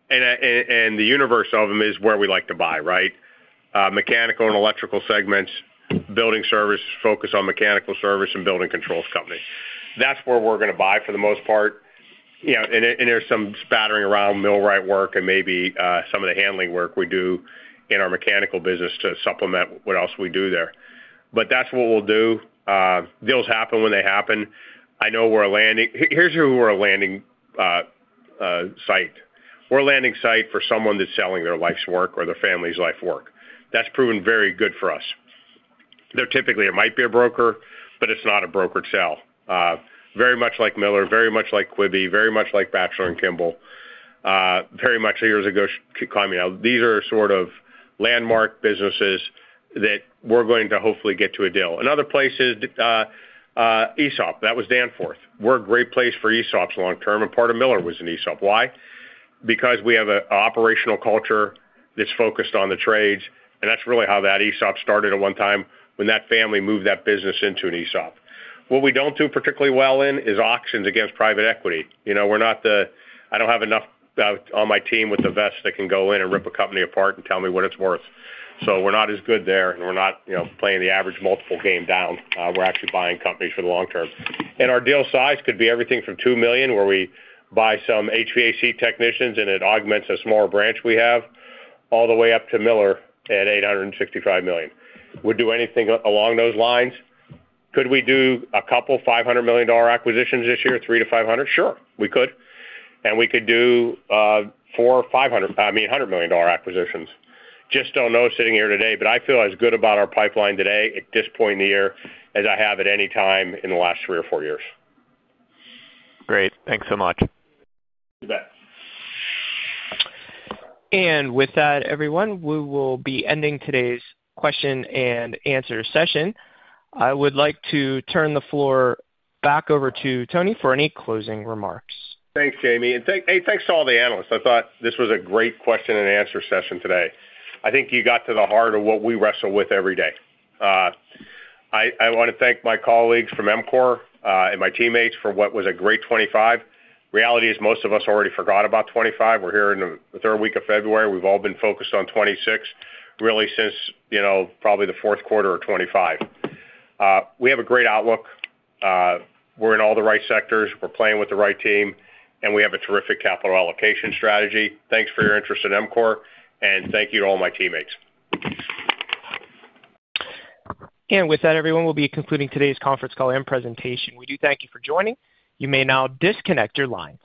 The universe of them is where we like to buy, right? Mechanical and electrical segments, building service, focus on mechanical service and building controls company. That's where we're going to buy for the most part. You know, and there's some spattering around millwright work and maybe some of the handling work we do in our mechanical business to supplement what else we do there. That's what we'll do. Deals happen when they happen. Here's where we're landing, site or landing site for someone that's selling their life's work or their family's life work. That's proven very good for us. They're typically, it might be a broker, but it's not a brokered sale. Very much like Miller, very much like Quebe, very much like Batchelor & Kimball, very much years ago, Comunale. These are sort of landmark businesses that we're going to hopefully get to a deal. Another place is ESOP. That was Danforth. We're a great place for ESOPs long term, and part of Miller was an ESOP. Why? Because we have a operational culture that's focused on the trades, and that's really how that ESOP started at one time, when that family moved that business into an ESOP. What we don't do particularly well in is auctions against private equity. You know, we're not I don't have enough on my team with the best that can go in and rip a company apart and tell me what it's worth. We're not as good there, and we're not, you know, playing the average multiple game down. We're actually buying companies for the long term. Our deal size could be everything from $2 million, where we buy some HVAC technicians, and it augments a smaller branch we have, all the way up to Miller at $865 million. We'd do anything along those lines. Could we do a couple $500 million acquisitions this year? $300 million-$500 million? Sure, we could. We could do, I mean, $100 million acquisitions. Just don't know sitting here today, but I feel as good about our pipeline today, at this point in the year, as I have at any time in the last three or four years. Great. Thanks so much. You bet. With that, everyone, we will be ending today's question and answer session. I would like to turn the floor back over to Tony for any closing remarks. Thanks, Jamie, and hey, thanks to all the analysts. I thought this was a great question and answer session today. I think you got to the heart of what we wrestle with every day. I want to thank my colleagues from EMCOR and my teammates for what was a great 2025. Reality is, most of us already forgot about 2025. We're here in the third week of February. We've all been focused on 2026, really, since, you know, probably the fourth quarter of 2025. We have a great outlook. We're in all the right sectors, we're playing with the right team, and we have a terrific capital allocation strategy. Thanks for your interest in EMCOR, and thank you to all my teammates. With that, everyone, we'll be concluding today's conference call and presentation. We do thank you for joining. You may now disconnect your line.